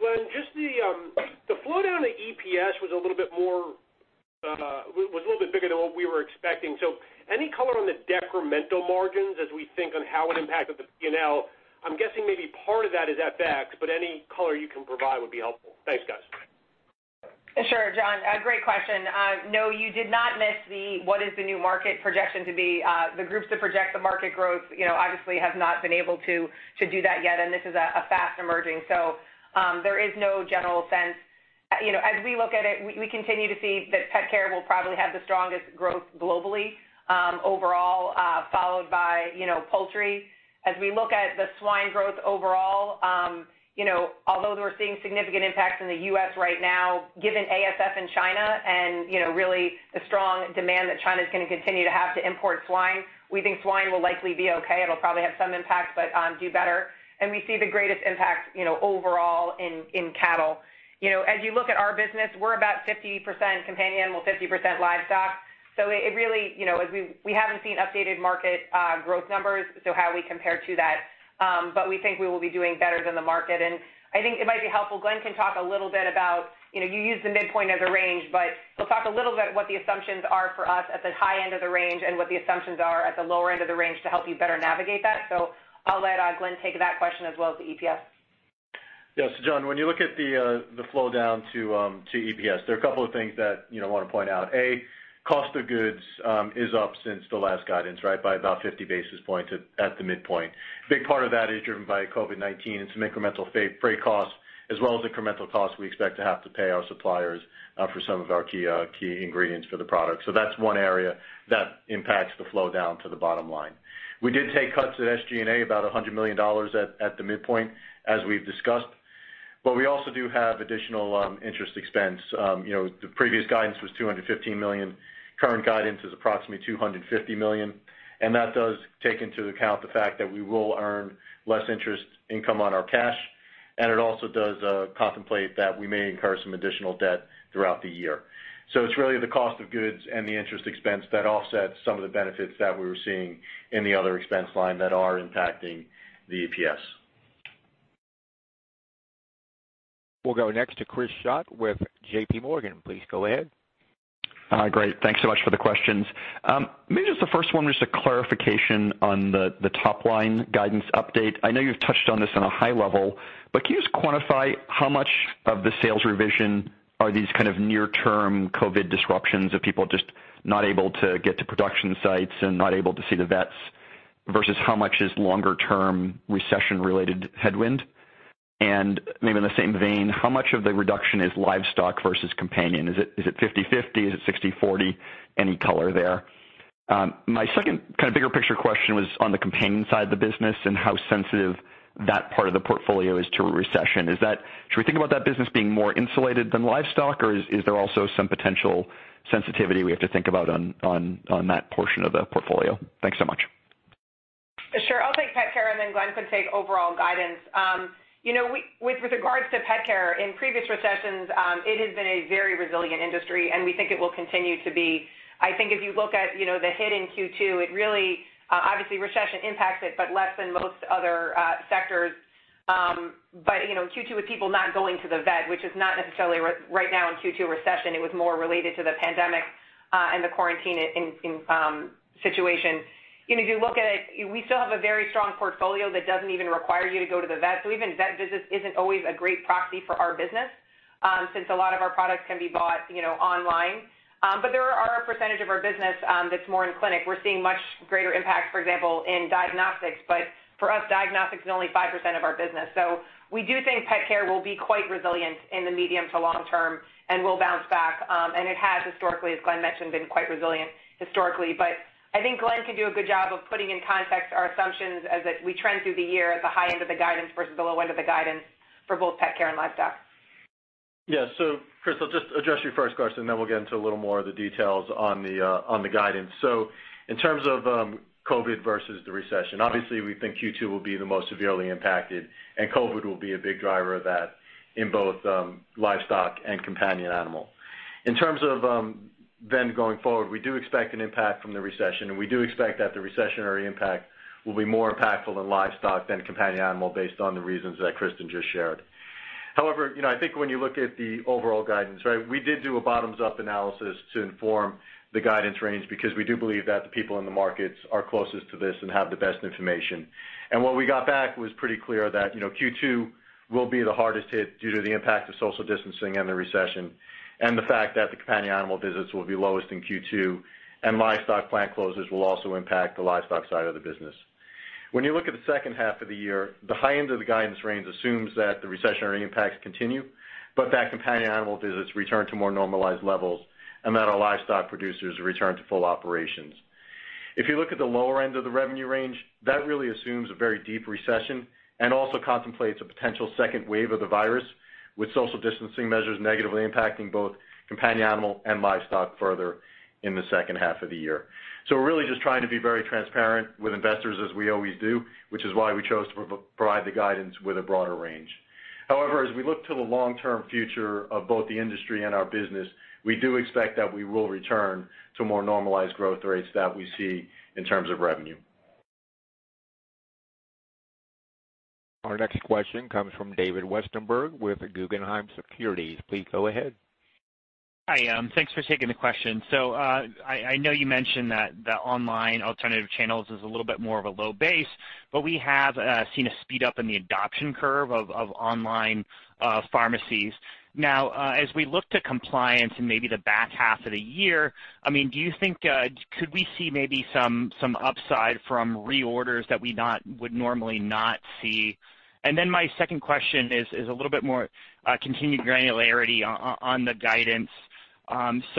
Speaker 9: Glenn David, just the slowdown in EPS was a little bit bigger than what we were expecting. Any color on the decremental margins as we think on how it impacted the P&L? I'm guessing maybe part of that is FX, any color you can provide would be helpful. Thanks, guys.
Speaker 3: Sure, Jon. Great question. No, you did not miss the what is the new market projection to be. The groups that project the market growth obviously have not been able to do that yet, and this is a fast emerging. There is no general sense. As we look at it, we continue to see that pet care will probably have the strongest growth globally, overall, followed by poultry. As we look at the swine growth overall, although we're seeing significant impacts in the U.S. right now, given ASF in China and really the strong demand that China's going to continue to have to import swine, we think swine will likely be okay. It'll probably have some impact, but do better. We see the greatest impact overall in cattle. As you look at our business, we're about 50% companion animal, 50% livestock. We haven't seen updated market growth numbers, so how we compare to that, but we think we will be doing better than the market. I think it might be helpful, Glenn can talk a little bit about, you use the midpoint as a range, but he'll talk a little bit what the assumptions are for us at the high end of the range and what the assumptions are at the lower end of the range to help you better navigate that. I'll let Glenn take that question as well as the EPS.
Speaker 4: Jon, when you look at the flow down to EPS, there are a couple of things that I want to point out. A, cost of goods is up since the last guidance, right, by about 50 basis points at the midpoint. Big part of that is driven by COVID-19 and some incremental freight costs, as well as incremental costs we expect to have to pay our suppliers for some of our key ingredients for the product. That's one area that impacts the flow down to the bottom line. We did take cuts at SG&A, about $100 million at the midpoint, as we've discussed. We also do have additional interest expense. The previous guidance was $215 million. Current guidance is approximately $250 million. That does take into account the fact that we will earn less interest income on our cash, and it also does contemplate that we may incur some additional debt throughout the year. It's really the cost of goods and the interest expense that offset some of the benefits that we were seeing in the other expense line that are impacting the EPS.
Speaker 1: We'll go next to Chris Schott with JPMorgan. Please go ahead.
Speaker 10: Great. Thanks so much for the questions. Just the first one, just a clarification on the top-line guidance update. I know you've touched on this on a high level, can you just quantify how much of the sales revision are these kind of near-term COVID disruptions of people just not able to get to production sites and not able to see the vets, versus how much is longer-term recession-related headwind? In the same vein, how much of the reduction is livestock versus companion? Is it 50/50? Is it 60/40? Any color there. My second kind of bigger picture question was on the companion side of the business and how sensitive that part of the portfolio is to recession. Should we think about that business being more insulated than livestock, or is there also some potential sensitivity we have to think about on that portion of the portfolio? Thanks so much.
Speaker 3: Sure. I'll take pet care, and then Glenn could take overall guidance. With regards to pet care, in previous recessions, it has been a very resilient industry, and we think it will continue to be. I think if you look at the hit in Q2, obviously recession impacts it, but less than most other sectors. Q2 with people not going to the vet, which is not necessarily right now in Q2 a recession. It was more related to the pandemic, and the quarantine situation. If you look at it, we still have a very strong portfolio that doesn't even require you to go to the vet, so even vet visits isn't always a great proxy for our business, since a lot of our products can be bought online. There are a percentage of our business that's more in clinic. We're seeing much greater impact, for example, in diagnostics, but for us, diagnostics is only 5% of our business. We do think pet care will be quite resilient in the medium to long term and will bounce back, and it has historically, as Glenn mentioned, been quite resilient historically. I think Glenn can do a good job of putting in context our assumptions as we trend through the year at the high end of the guidance versus the low end of the guidance for both pet care and livestock.
Speaker 4: Yeah. Chris, I'll just address your first question, then we'll get into a little more of the details on the guidance. In terms of COVID versus the recession, obviously we think Q2 will be the most severely impacted, and COVID will be a big driver of that in both livestock and companion animal. In terms of going forward, we do expect an impact from the recession, and we do expect that the recessionary impact will be more impactful on livestock than companion animal based on the reasons that Kristin just shared. However, I think when you look at the overall guidance, we did do a bottoms-up analysis to inform the guidance range because we do believe that the people in the markets are closest to this and have the best information. What we got back was pretty clear that Q2 will be the hardest hit due to the impact of social distancing and the recession, and the fact that the companion animal visits will be lowest in Q2, and livestock plant closures will also impact the livestock side of the business. When you look at the second half of the year, the high end of the guidance range assumes that the recessionary impacts continue, but that companion animal visits return to more normalized levels and that our livestock producers return to full operations. If you look at the lower end of the revenue range, that really assumes a very deep recession and also contemplates a potential second wave of the virus with social distancing measures negatively impacting both companion animal and livestock further in the second half of the year. We're really just trying to be very transparent with investors as we always do, which is why we chose to provide the guidance with a broader range. However, as we look to the long-term future of both the industry and our business, we do expect that we will return to more normalized growth rates that we see in terms of revenue.
Speaker 1: Our next question comes from David Westenberg with Guggenheim Securities. Please go ahead.
Speaker 11: Hi. Thanks for taking the question. I know you mentioned that the online alternative channels is a little bit more of a low base, but we have seen a speed up in the adoption curve of online pharmacies. Now, as we look to compliance in maybe the back half of the year, Do you think, could we see maybe some upside from reorders that we would normally not see? My second question is a little bit more continued granularity on the guidance.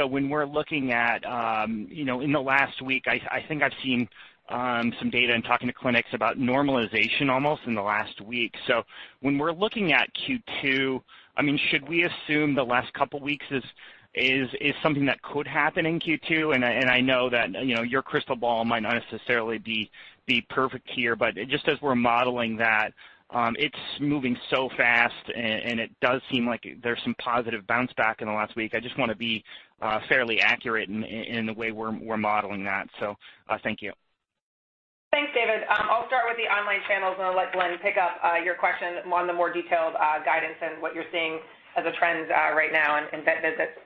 Speaker 11: When we're looking at, in the last week, I think I've seen some data in talking to clinics about normalization almost in the last week. When we're looking at Q2, should we assume the last couple weeks is something that could happen in Q2? I know that your crystal ball might not necessarily be perfect here, but just as we're modeling that, it's moving so fast, and it does seem like there's some positive bounce back in the last week. I just want to be fairly accurate in the way we're modeling that. Thank you.
Speaker 3: Thanks, David. I'll start with the online channels, and I'll let Glenn pick up your question on the more detailed guidance and what you're seeing as a trend right now in vet visits.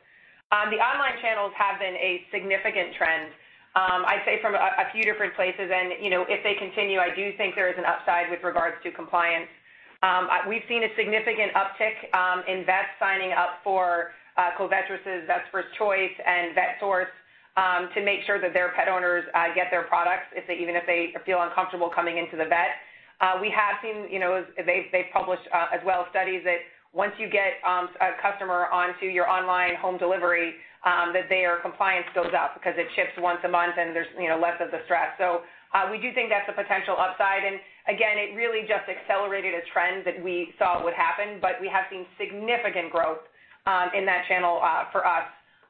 Speaker 3: The online channels have been a significant trend, I'd say from a few different places, and if they continue, I do think there is an upside with regards to compliance. We've seen a significant uptick in vets signing up for Covetrus's Vet's First Choice and Vetsource to make sure that their pet owners get their products even if they feel uncomfortable coming into the vet. We have seen, they've published as well, studies that once you get a customer onto your online home delivery, that their compliance goes up because it ships once a month and there's less of the stress. We do think that's a potential upside. Again, it really just accelerated a trend that we saw would happen, but we have seen significant growth in that channel for us.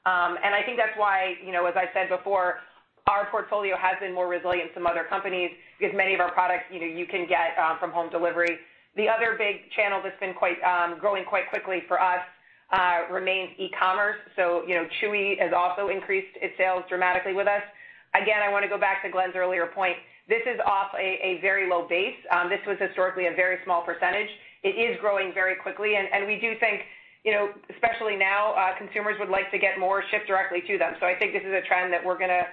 Speaker 3: I think that's why, as I said before. Our portfolio has been more resilient than some other companies because many of our products you can get from home delivery. The other big channel that's been growing quite quickly for us remains e-commerce. Chewy has also increased its sales dramatically with us. Again, I want to go back to Glenn's earlier point. This is off a very low base. This was historically a very small percentage. It is growing very quickly, and we do think, especially now, consumers would like to get more shipped directly to them. I think this is a trend that we're going to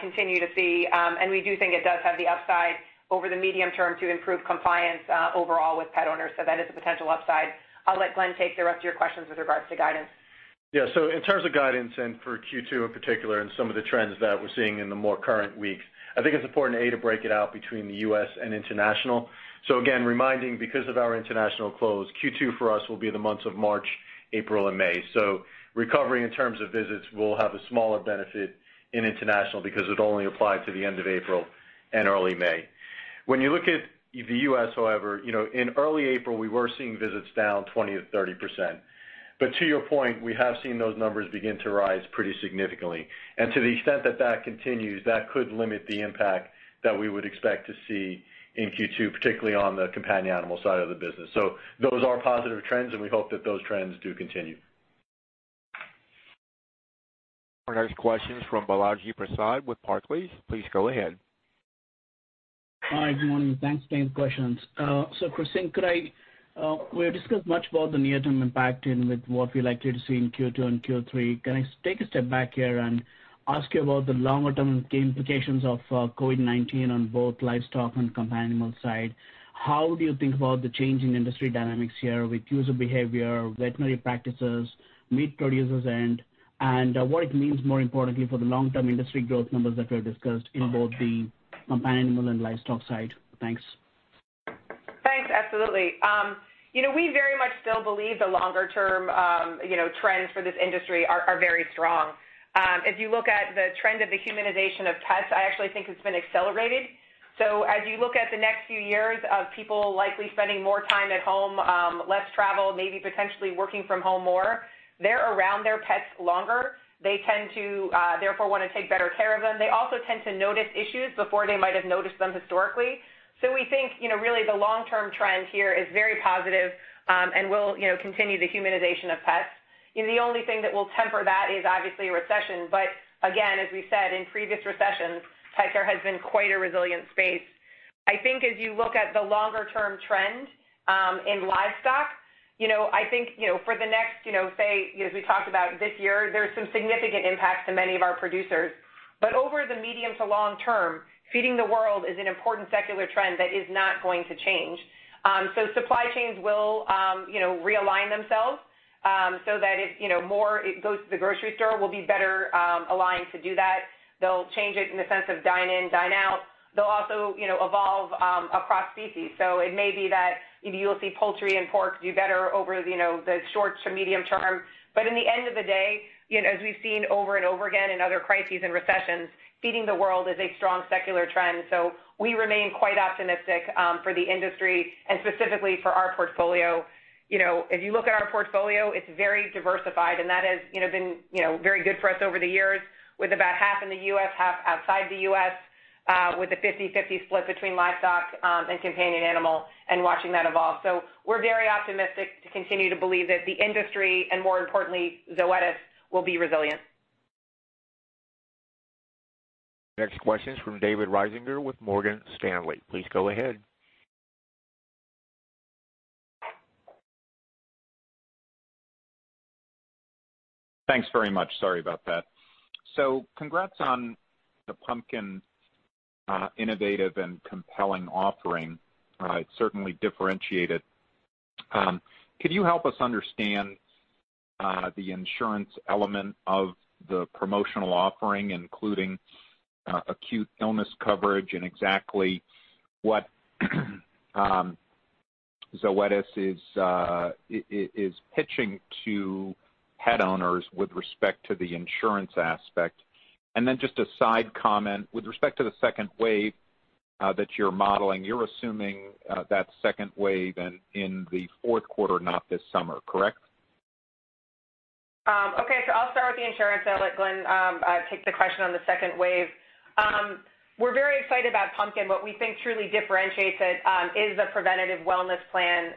Speaker 3: continue to see, and we do think it does have the upside over the medium term to improve compliance overall with pet owners. That is a potential upside. I'll let Glenn take the rest of your questions with regards to guidance.
Speaker 4: Yeah. In terms of guidance and for Q2 in particular and some of the trends that we're seeing in the more current weeks, I think it's important, A, to break it out between the U.S. and international. Again, reminding because of our international close, Q2 for us will be the months of March, April, and May. Recovery in terms of visits will have a smaller benefit in international because it only applied to the end of April and early May. When you look at the U.S., however, in early April, we were seeing visits down 20%-30%. To your point, we have seen those numbers begin to rise pretty significantly. To the extent that that continues, that could limit the impact that we would expect to see in Q2, particularly on the companion animal side of the business. Those are positive trends, and we hope that those trends do continue.
Speaker 1: Our next question is from Balaji Prasad with Barclays. Please go ahead.
Speaker 12: Hi, good morning. Thanks. Thanks for taking the questions. Kristin, we've discussed much about the near-term impact and with what we like to see in Q2 and Q3. Can I take a step back here and ask you about the longer-term implications of COVID-19 on both livestock and companion animal side? How do you think about the change in industry dynamics here with user behavior, veterinary practices, meat producers, and what it means, more importantly, for the long-term industry growth numbers that were discussed in both the companion animal and livestock side? Thanks.
Speaker 3: Thanks. Absolutely. We very much still believe the longer-term trends for this industry are very strong. If you look at the trend of the humanization of pets, I actually think it's been accelerated. As you look at the next few years of people likely spending more time at home, less travel, maybe potentially working from home more, they're around their pets longer. They tend to, therefore, want to take better care of them. They also tend to notice issues before they might have noticed them historically. We think, really the long-term trend here is very positive and will continue the humanization of pets. The only thing that will temper that is obviously a recession. Again, as we said, in previous recessions, pet care has been quite a resilient space. I think as you look at the longer-term trend in livestock, I think, for the next, say, as we talked about this year, there's some significant impacts to many of our producers. Over the medium to long-term, feeding the world is an important secular trend that is not going to change. Supply chains will realign themselves so that if more goes to the grocery store, we'll be better aligned to do that. They'll change it in the sense of dine-in, dine-out. They'll also evolve across species. It may be that you'll see poultry and pork do better over the short to medium-term. In the end of the day, as we've seen over and over again in other crises and recessions, feeding the world is a strong secular trend. We remain quite optimistic for the industry and specifically for our portfolio. If you look at our portfolio, it's very diversified, and that has been very good for us over the years, with about half in the U.S., half outside the U.S., with a 50/50 split between livestock and companion animal and watching that evolve. We're very optimistic to continue to believe that the industry and more importantly, Zoetis, will be resilient.
Speaker 1: Next question is from David Risinger with Morgan Stanley. Please go ahead.
Speaker 13: Thanks very much. Sorry about that. Congrats on the Pumpkin innovative and compelling offering. It's certainly differentiated. Could you help us understand the insurance element of the promotional offering, including acute illness coverage and exactly what Zoetis is pitching to pet owners with respect to the insurance aspect? Just a side comment, with respect to the second wave that you're modeling, you're assuming that second wave in the fourth quarter, not this summer, correct?
Speaker 3: I'll start with the insurance, then I'll let Glenn take the question on the second wave. We're very excited about Pumpkin. What we think truly differentiates it is the preventative wellness plan.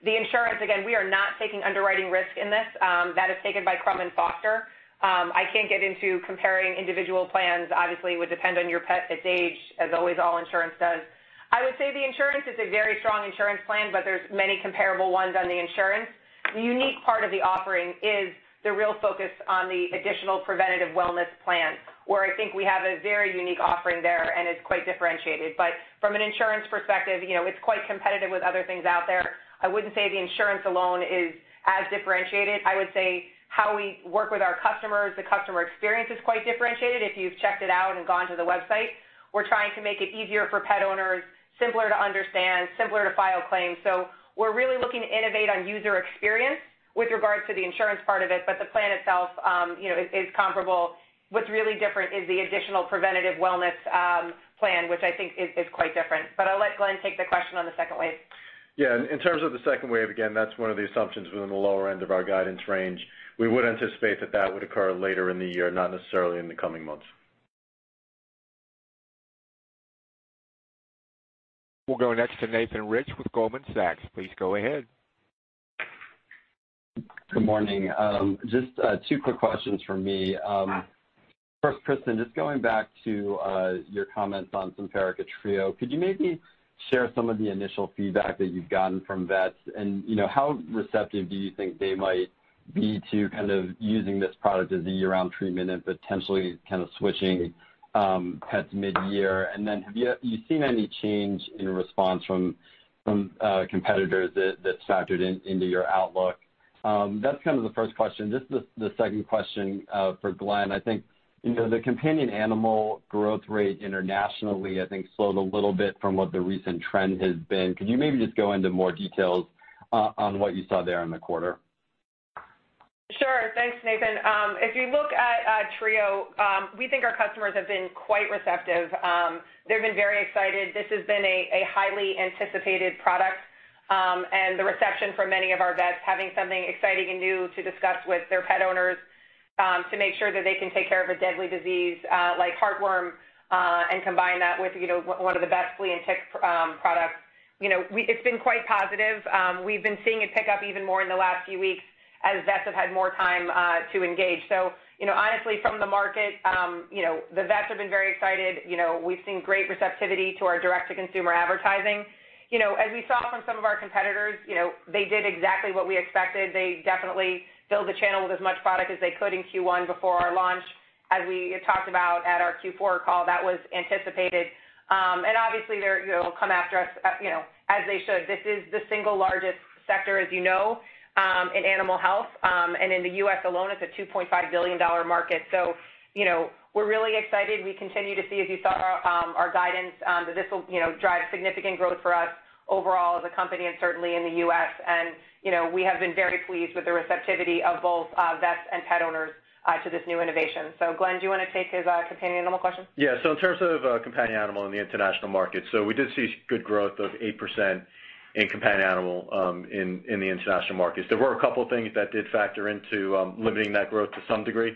Speaker 3: The insurance, again, we are not taking underwriting risk in this. That is taken by Crum & Forster. I can't get into comparing individual plans. Obviously, it would depend on your pet, its age, as always all insurance does. I would say the insurance is a very strong insurance plan, but there's many comparable ones on the insurance. The unique part of the offering is the real focus on the additional preventative wellness plan, where I think we have a very unique offering there, and it's quite differentiated. From an insurance perspective, it's quite competitive with other things out there. I wouldn't say the insurance alone is as differentiated. I would say how we work with our customers, the customer experience is quite differentiated. If you've checked it out and gone to the website, we're trying to make it easier for pet owners, simpler to understand, simpler to file claims. We're really looking to innovate on user experience with regards to the insurance part of it, but the plan itself is comparable. What's really different is the additional preventative wellness plan, which I think is quite different. I'll let Glenn take the question on the second wave.
Speaker 4: Yeah. In terms of the second wave, again, that's one of the assumptions within the lower end of our guidance range. We would anticipate that that would occur later in the year, not necessarily in the coming months.
Speaker 1: We'll go next to Nathan Rich with Goldman Sachs. Please go ahead.
Speaker 14: Good morning. Just two quick questions from me. First, Kristin, just going back to your comments on Simparica Trio. Could you maybe share some of the initial feedback that you've gotten from vets? How receptive do you think they might be to using this product as a year-round treatment and potentially switching pets mid-year? Have you seen any change in response from competitors that's factored into your outlook? That's the first question. Just the second question for Glenn. I think, the companion animal growth rate internationally, I think slowed a little bit from what the recent trend has been. Could you maybe just go into more details on what you saw there in the quarter?
Speaker 3: Sure. Thanks, Nathan. If you look at Trio, we think our customers have been quite receptive. They've been very excited. This has been a highly anticipated product, and the reception from many of our vets, having something exciting and new to discuss with their pet owners, to make sure that they can take care of a deadly disease like heartworm, and combine that with one of the best flea and tick products. It's been quite positive. We've been seeing it pick up even more in the last few weeks as vets have had more time to engage. Honestly, from the market, the vets have been very excited. We've seen great receptivity to our direct-to-consumer advertising. As we saw from some of our competitors, they did exactly what we expected. They definitely filled the channel with as much product as they could in Q1 before our launch. As we talked about at our Q4 call, that was anticipated. Obviously they'll come after us, as they should. This is the single largest sector, as you know, in animal health. In the U.S. alone, it's a $2.5 billion market. We're really excited. We continue to see, as you saw, our guidance that this will drive significant growth for us overall as a company and certainly in the U.S. We have been very pleased with the receptivity of both vets and pet owners to this new innovation. Glenn, do you want to take his companion animal question?
Speaker 4: In terms of companion animal in the international market, so we did see good growth of 8% in companion animal in the international markets. There were a couple of things that did factor into limiting that growth to some degree.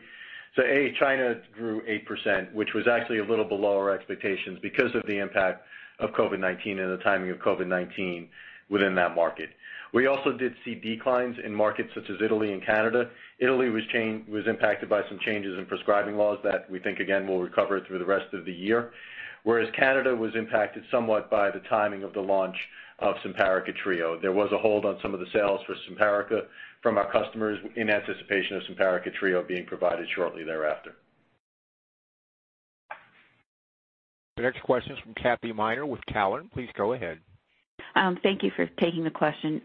Speaker 4: A, China grew 8%, which was actually a little below our expectations because of the impact of COVID-19 and the timing of COVID-19 within that market. We also did see declines in markets such as Italy and Canada. Italy was impacted by some changes in prescribing laws that we think again, will recover through the rest of the year. Whereas Canada was impacted somewhat by the timing of the launch of Simparica Trio. There was a hold on some of the sales for Simparica from our customers in anticipation of Simparica Trio being provided shortly thereafter.
Speaker 1: The next question is from Kathy Miner with Cowen. Please go ahead.
Speaker 15: Thank you for taking the question.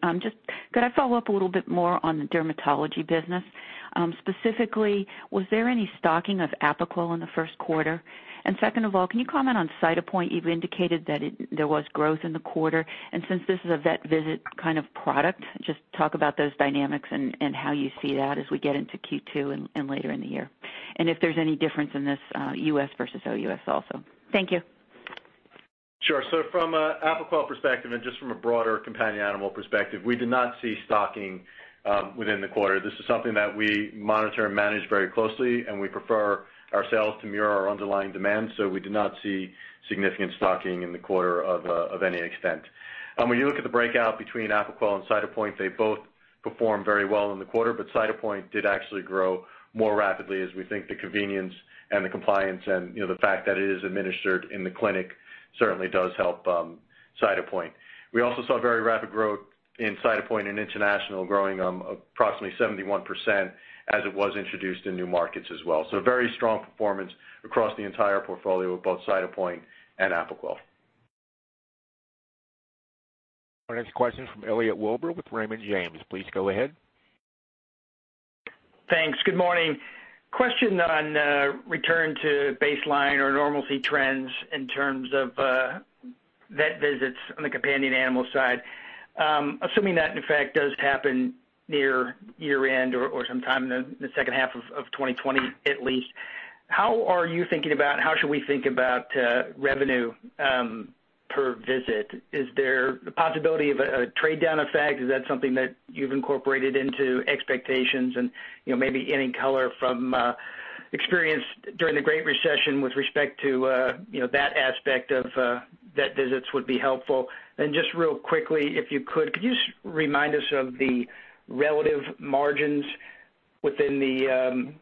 Speaker 15: Could I follow up a little bit more on the dermatology business? Specifically, was there any stocking of Apoquel in the first quarter? Second of all, can you comment on Cytopoint? You've indicated that there was growth in the quarter, and since this is a vet visit kind of product, just talk about those dynamics and how you see that as we get into Q2 and later in the year. If there's any difference in this U.S. versus OUS also. Thank you.
Speaker 4: Sure. From Apoquel perspective and just from a broader companion animal perspective, we did not see stocking within the quarter. This is something that we monitor and manage very closely, and we prefer our sales to mirror our underlying demand. We did not see significant stocking in the quarter of any extent. When you look at the breakout between Apoquel and Cytopoint, they both performed very well in the quarter, but Cytopoint did actually grow more rapidly as we think the convenience and the compliance and the fact that it is administered in the clinic certainly does help Cytopoint. We also saw very rapid growth in Cytopoint in international, growing approximately 71% as it was introduced in new markets as well. Very strong performance across the entire portfolio of both Cytopoint and Apoquel.
Speaker 1: Our next question is from Elliot Wilbur with Raymond James. Please go ahead.
Speaker 16: Thanks. Good morning. Question on return to baseline or normalcy trends in terms of vet visits on the companion animal side. Assuming that in fact does happen near year-end or sometime in the second half of 2020 at least, how are you thinking about, how should we think about revenue per visit? Is there the possibility of a trade-down effect? Is that something that you've incorporated into expectations and maybe any color from experience during the Great Recession with respect to that aspect of vet visits would be helpful. Just real quickly, if you could you remind us of the relative margins within the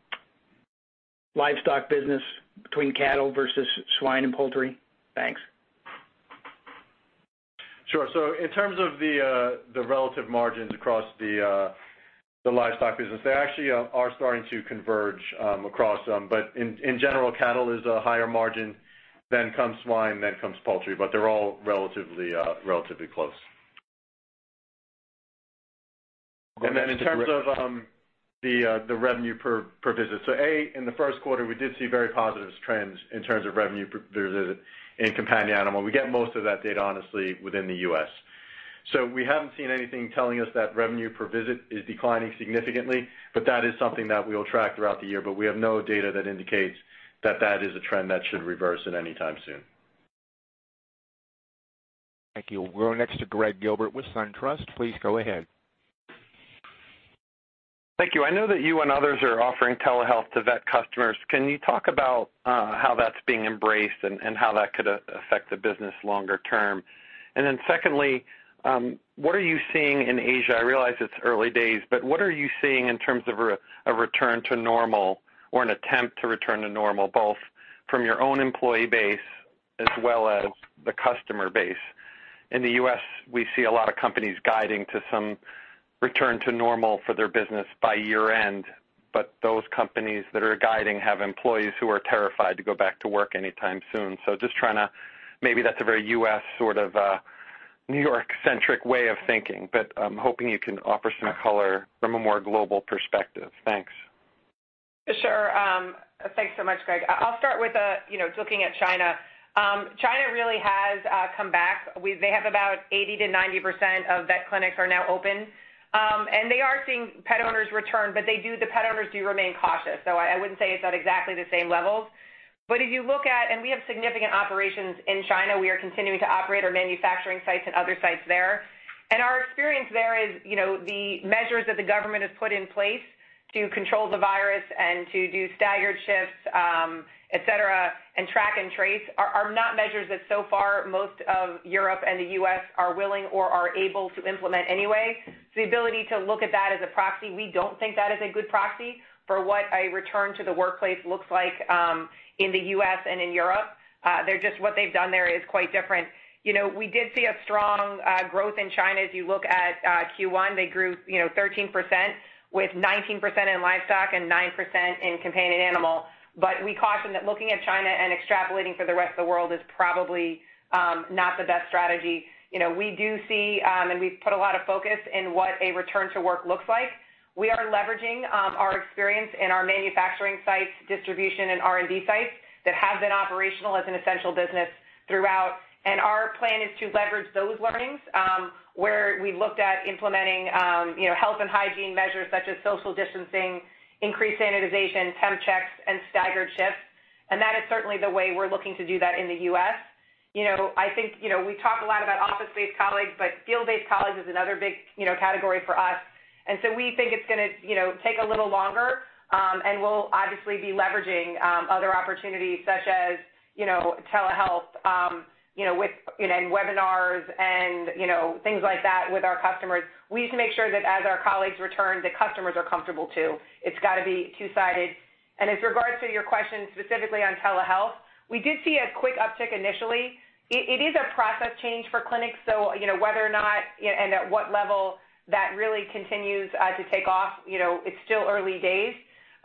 Speaker 16: livestock business between cattle versus swine and poultry? Thanks.
Speaker 4: Sure. In terms of the relative margins across the livestock business, they actually are starting to converge across them. In general, cattle is a higher margin, then comes swine, then comes poultry. They're all relatively close. In terms of the revenue per visit. A, in the first quarter, we did see very positive trends in terms of revenue per visit in companion animal. We get most of that data honestly within the U.S. We haven't seen anything telling us that revenue per visit is declining significantly, but that is something that we'll track throughout the year. We have no data that indicates that that is a trend that should reverse at any time soon.
Speaker 1: Thank you. We'll go next to Gregg Gilbert with Suntrust. Please go ahead.
Speaker 17: Thank you. I know that you and others are offering telehealth to vet customers. Can you talk about how that's being embraced and how that could affect the business longer term? Then secondly, what are you seeing in Asia? I realize it's early days, but what are you seeing in terms of a return to normal or an attempt to return to normal, both from your own employee base as well as the customer base? In the U.S., we see a lot of companies guiding to some return to normal for their business by year-end. Those companies that are guiding have employees who are terrified to go back to work anytime soon. Just trying to, maybe that's a very U.S., sort of, New York-centric way of thinking, but I'm hoping you can offer some color from a more global perspective. Thanks.
Speaker 3: Sure. Thanks so much, Gregg. I'll start with looking at China. China really has come back. They have about 80%-90% of vet clinics are now open. They are seeing pet owners return, but the pet owners do remain cautious. I wouldn't say it's at exactly the same levels. If you look at, and we have significant operations in China, we are continuing to operate our manufacturing sites and other sites there. Our experience there is, the measures that the government has put in place to control the virus and to do staggered shifts, et cetera, and track and trace, are not measures that so far most of Europe and the U.S. are willing or are able to implement anyway. The ability to look at that as a proxy, we don't think that is a good proxy for what a return to the workplace looks like, in the U.S. and in Europe. What they've done there is quite different. We did see a strong growth in China. If you look at Q1, they grew 13% with 19% in livestock and 9% in companion animal. We caution that looking at China and extrapolating for the rest of the world is probably not the best strategy. We do see, we've put a lot of focus in what a return to work looks like. We are leveraging our experience in our manufacturing sites, distribution, and R&D sites that have been operational as an essential business throughout. Our plan is to leverage those learnings, where we looked at implementing health and hygiene measures such as social distancing, increased sanitization, temp checks, and staggered shifts. That is certainly the way we're looking to do that in the U.S. I think we talk a lot about office-based colleagues, but field-based colleagues is another big category for us. We think it's going to take a little longer. We'll obviously be leveraging other opportunities such as telehealth and webinars and things like that with our customers. We need to make sure that as our colleagues return, the customers are comfortable too. It's got to be two sided. As regards to your question specifically on telehealth, we did see a quick uptick initially. It is a process change for clinics. Whether or not and at what level that really continues to take off, it's still early days.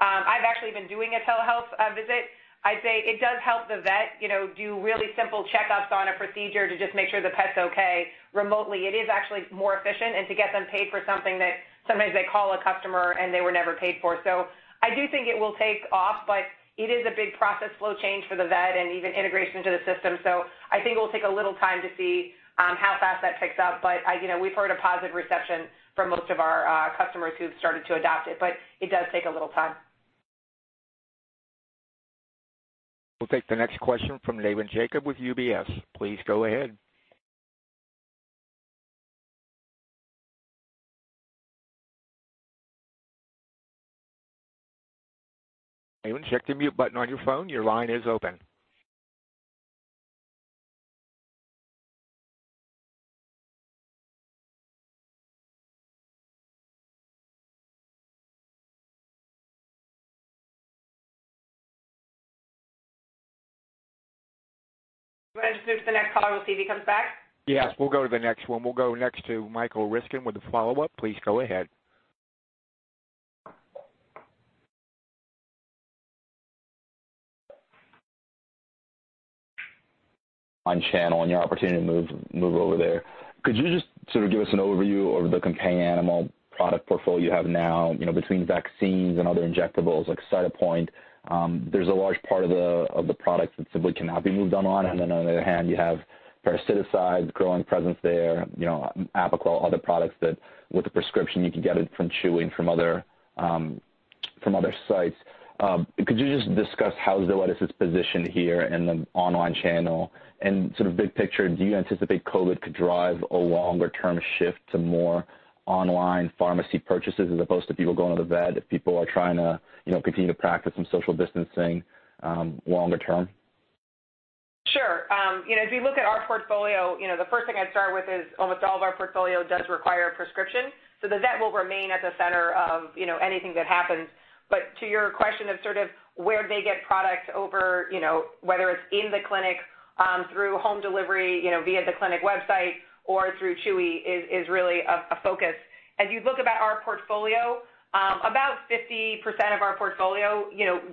Speaker 3: I've actually been doing a telehealth visit. I'd say it does help the vet do really simple checkups on a procedure to just make sure the pet's okay remotely. It is actually more efficient and to get them paid for something that sometimes they call a customer, and they were never paid for. I do think it will take off, but it is a big process flow change for the vet and even integration into the system. I think it will take a little time to see how fast that picks up. We've heard a positive reception from most of our customers who've started to adopt it, but it does take a little time.
Speaker 1: We'll take the next question from Layan Jacob with UBS. Please go ahead. Layan, check the mute button on your phone. Your line is open.
Speaker 3: Who's the next caller. We'll see if he comes back.
Speaker 1: Yes, we'll go to the next one. We'll go next to Michael Ryskin with a follow-up. Please go ahead.
Speaker 5: On channel and your opportunity to move over there. Could you just sort of give us an overview of the companion animal product portfolio you have now between vaccines and other injectables like Cytopoint? There's a large part of the product that simply cannot be moved online, and then on the other hand, you have parasiticides growing presence there, Apoquel, other products that with a prescription, you can get it from Chewy from other sites. Could you just discuss how Zoetis is positioned here in the online channel? Sort of big picture, do you anticipate COVID could drive a longer-term shift to more online pharmacy purchases as opposed to people going to the vet if people are trying to continue to practice some social distancing longer term?
Speaker 3: Sure. If you look at our portfolio, the first thing I'd start with is almost all of our portfolio does require a prescription. The vet will remain at the center of anything that happens. To your question of sort of where they get product over whether it's in the clinic through home delivery, via the clinic website or through Chewy is really a focus. You look about our portfolio, about 50% of our portfolio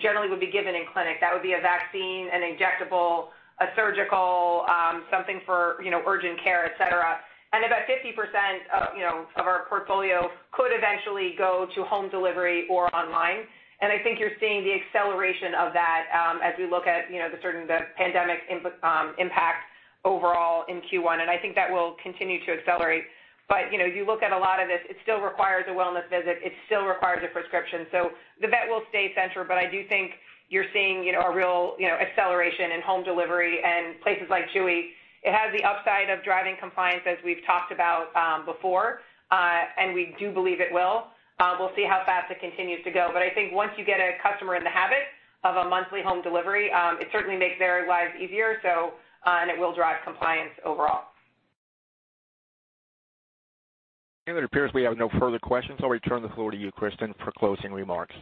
Speaker 3: generally would be given in clinic. That would be a vaccine, an injectable, a surgical, something for urgent care, et cetera. About 50% of our portfolio could eventually go to home delivery or online. I think you're seeing the acceleration of that as we look at the sort of the pandemic impact overall in Q1. I think that will continue to accelerate. If you look at a lot of this, it still requires a wellness visit. It still requires a prescription. The vet will stay center, but I do think you're seeing a real acceleration in home delivery and places like Chewy. It has the upside of driving compliance, as we've talked about before. We do believe it will. We'll see how fast it continues to go, but I think once you get a customer in the habit of a monthly home delivery, it certainly makes their lives easier, so and it will drive compliance overall.
Speaker 1: It appears we have no further questions. I'll return the floor to you, Kristin, for closing remarks.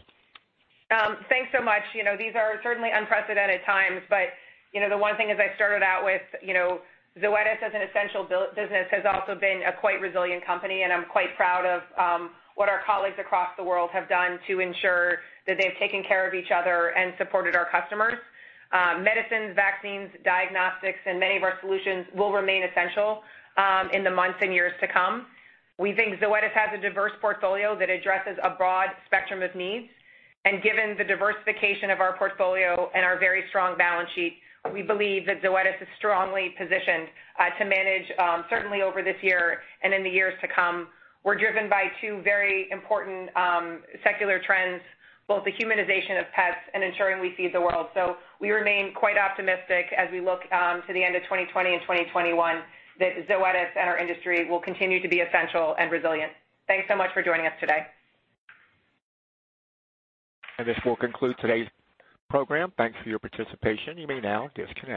Speaker 3: Thanks so much. These are certainly unprecedented times, but the one thing as I started out with, Zoetis as an essential business has also been a quite resilient company, and I'm quite proud of what our colleagues across the world have done to ensure that they've taken care of each other and supported our customers. Medicines, vaccines, diagnostics, and many of our solutions will remain essential in the months and years to come. We think Zoetis has a diverse portfolio that addresses a broad spectrum of needs. Given the diversification of our portfolio and our very strong balance sheet, we believe that Zoetis is strongly positioned to manage certainly over this year and in the years to come. We're driven by two very important secular trends, both the humanization of pets and ensuring we feed the world. We remain quite optimistic as we look to the end of 2020 and 2021 that Zoetis and our industry will continue to be essential and resilient. Thanks so much for joining us today.
Speaker 1: This will conclude today's program. Thanks for your participation. You may now disconnect.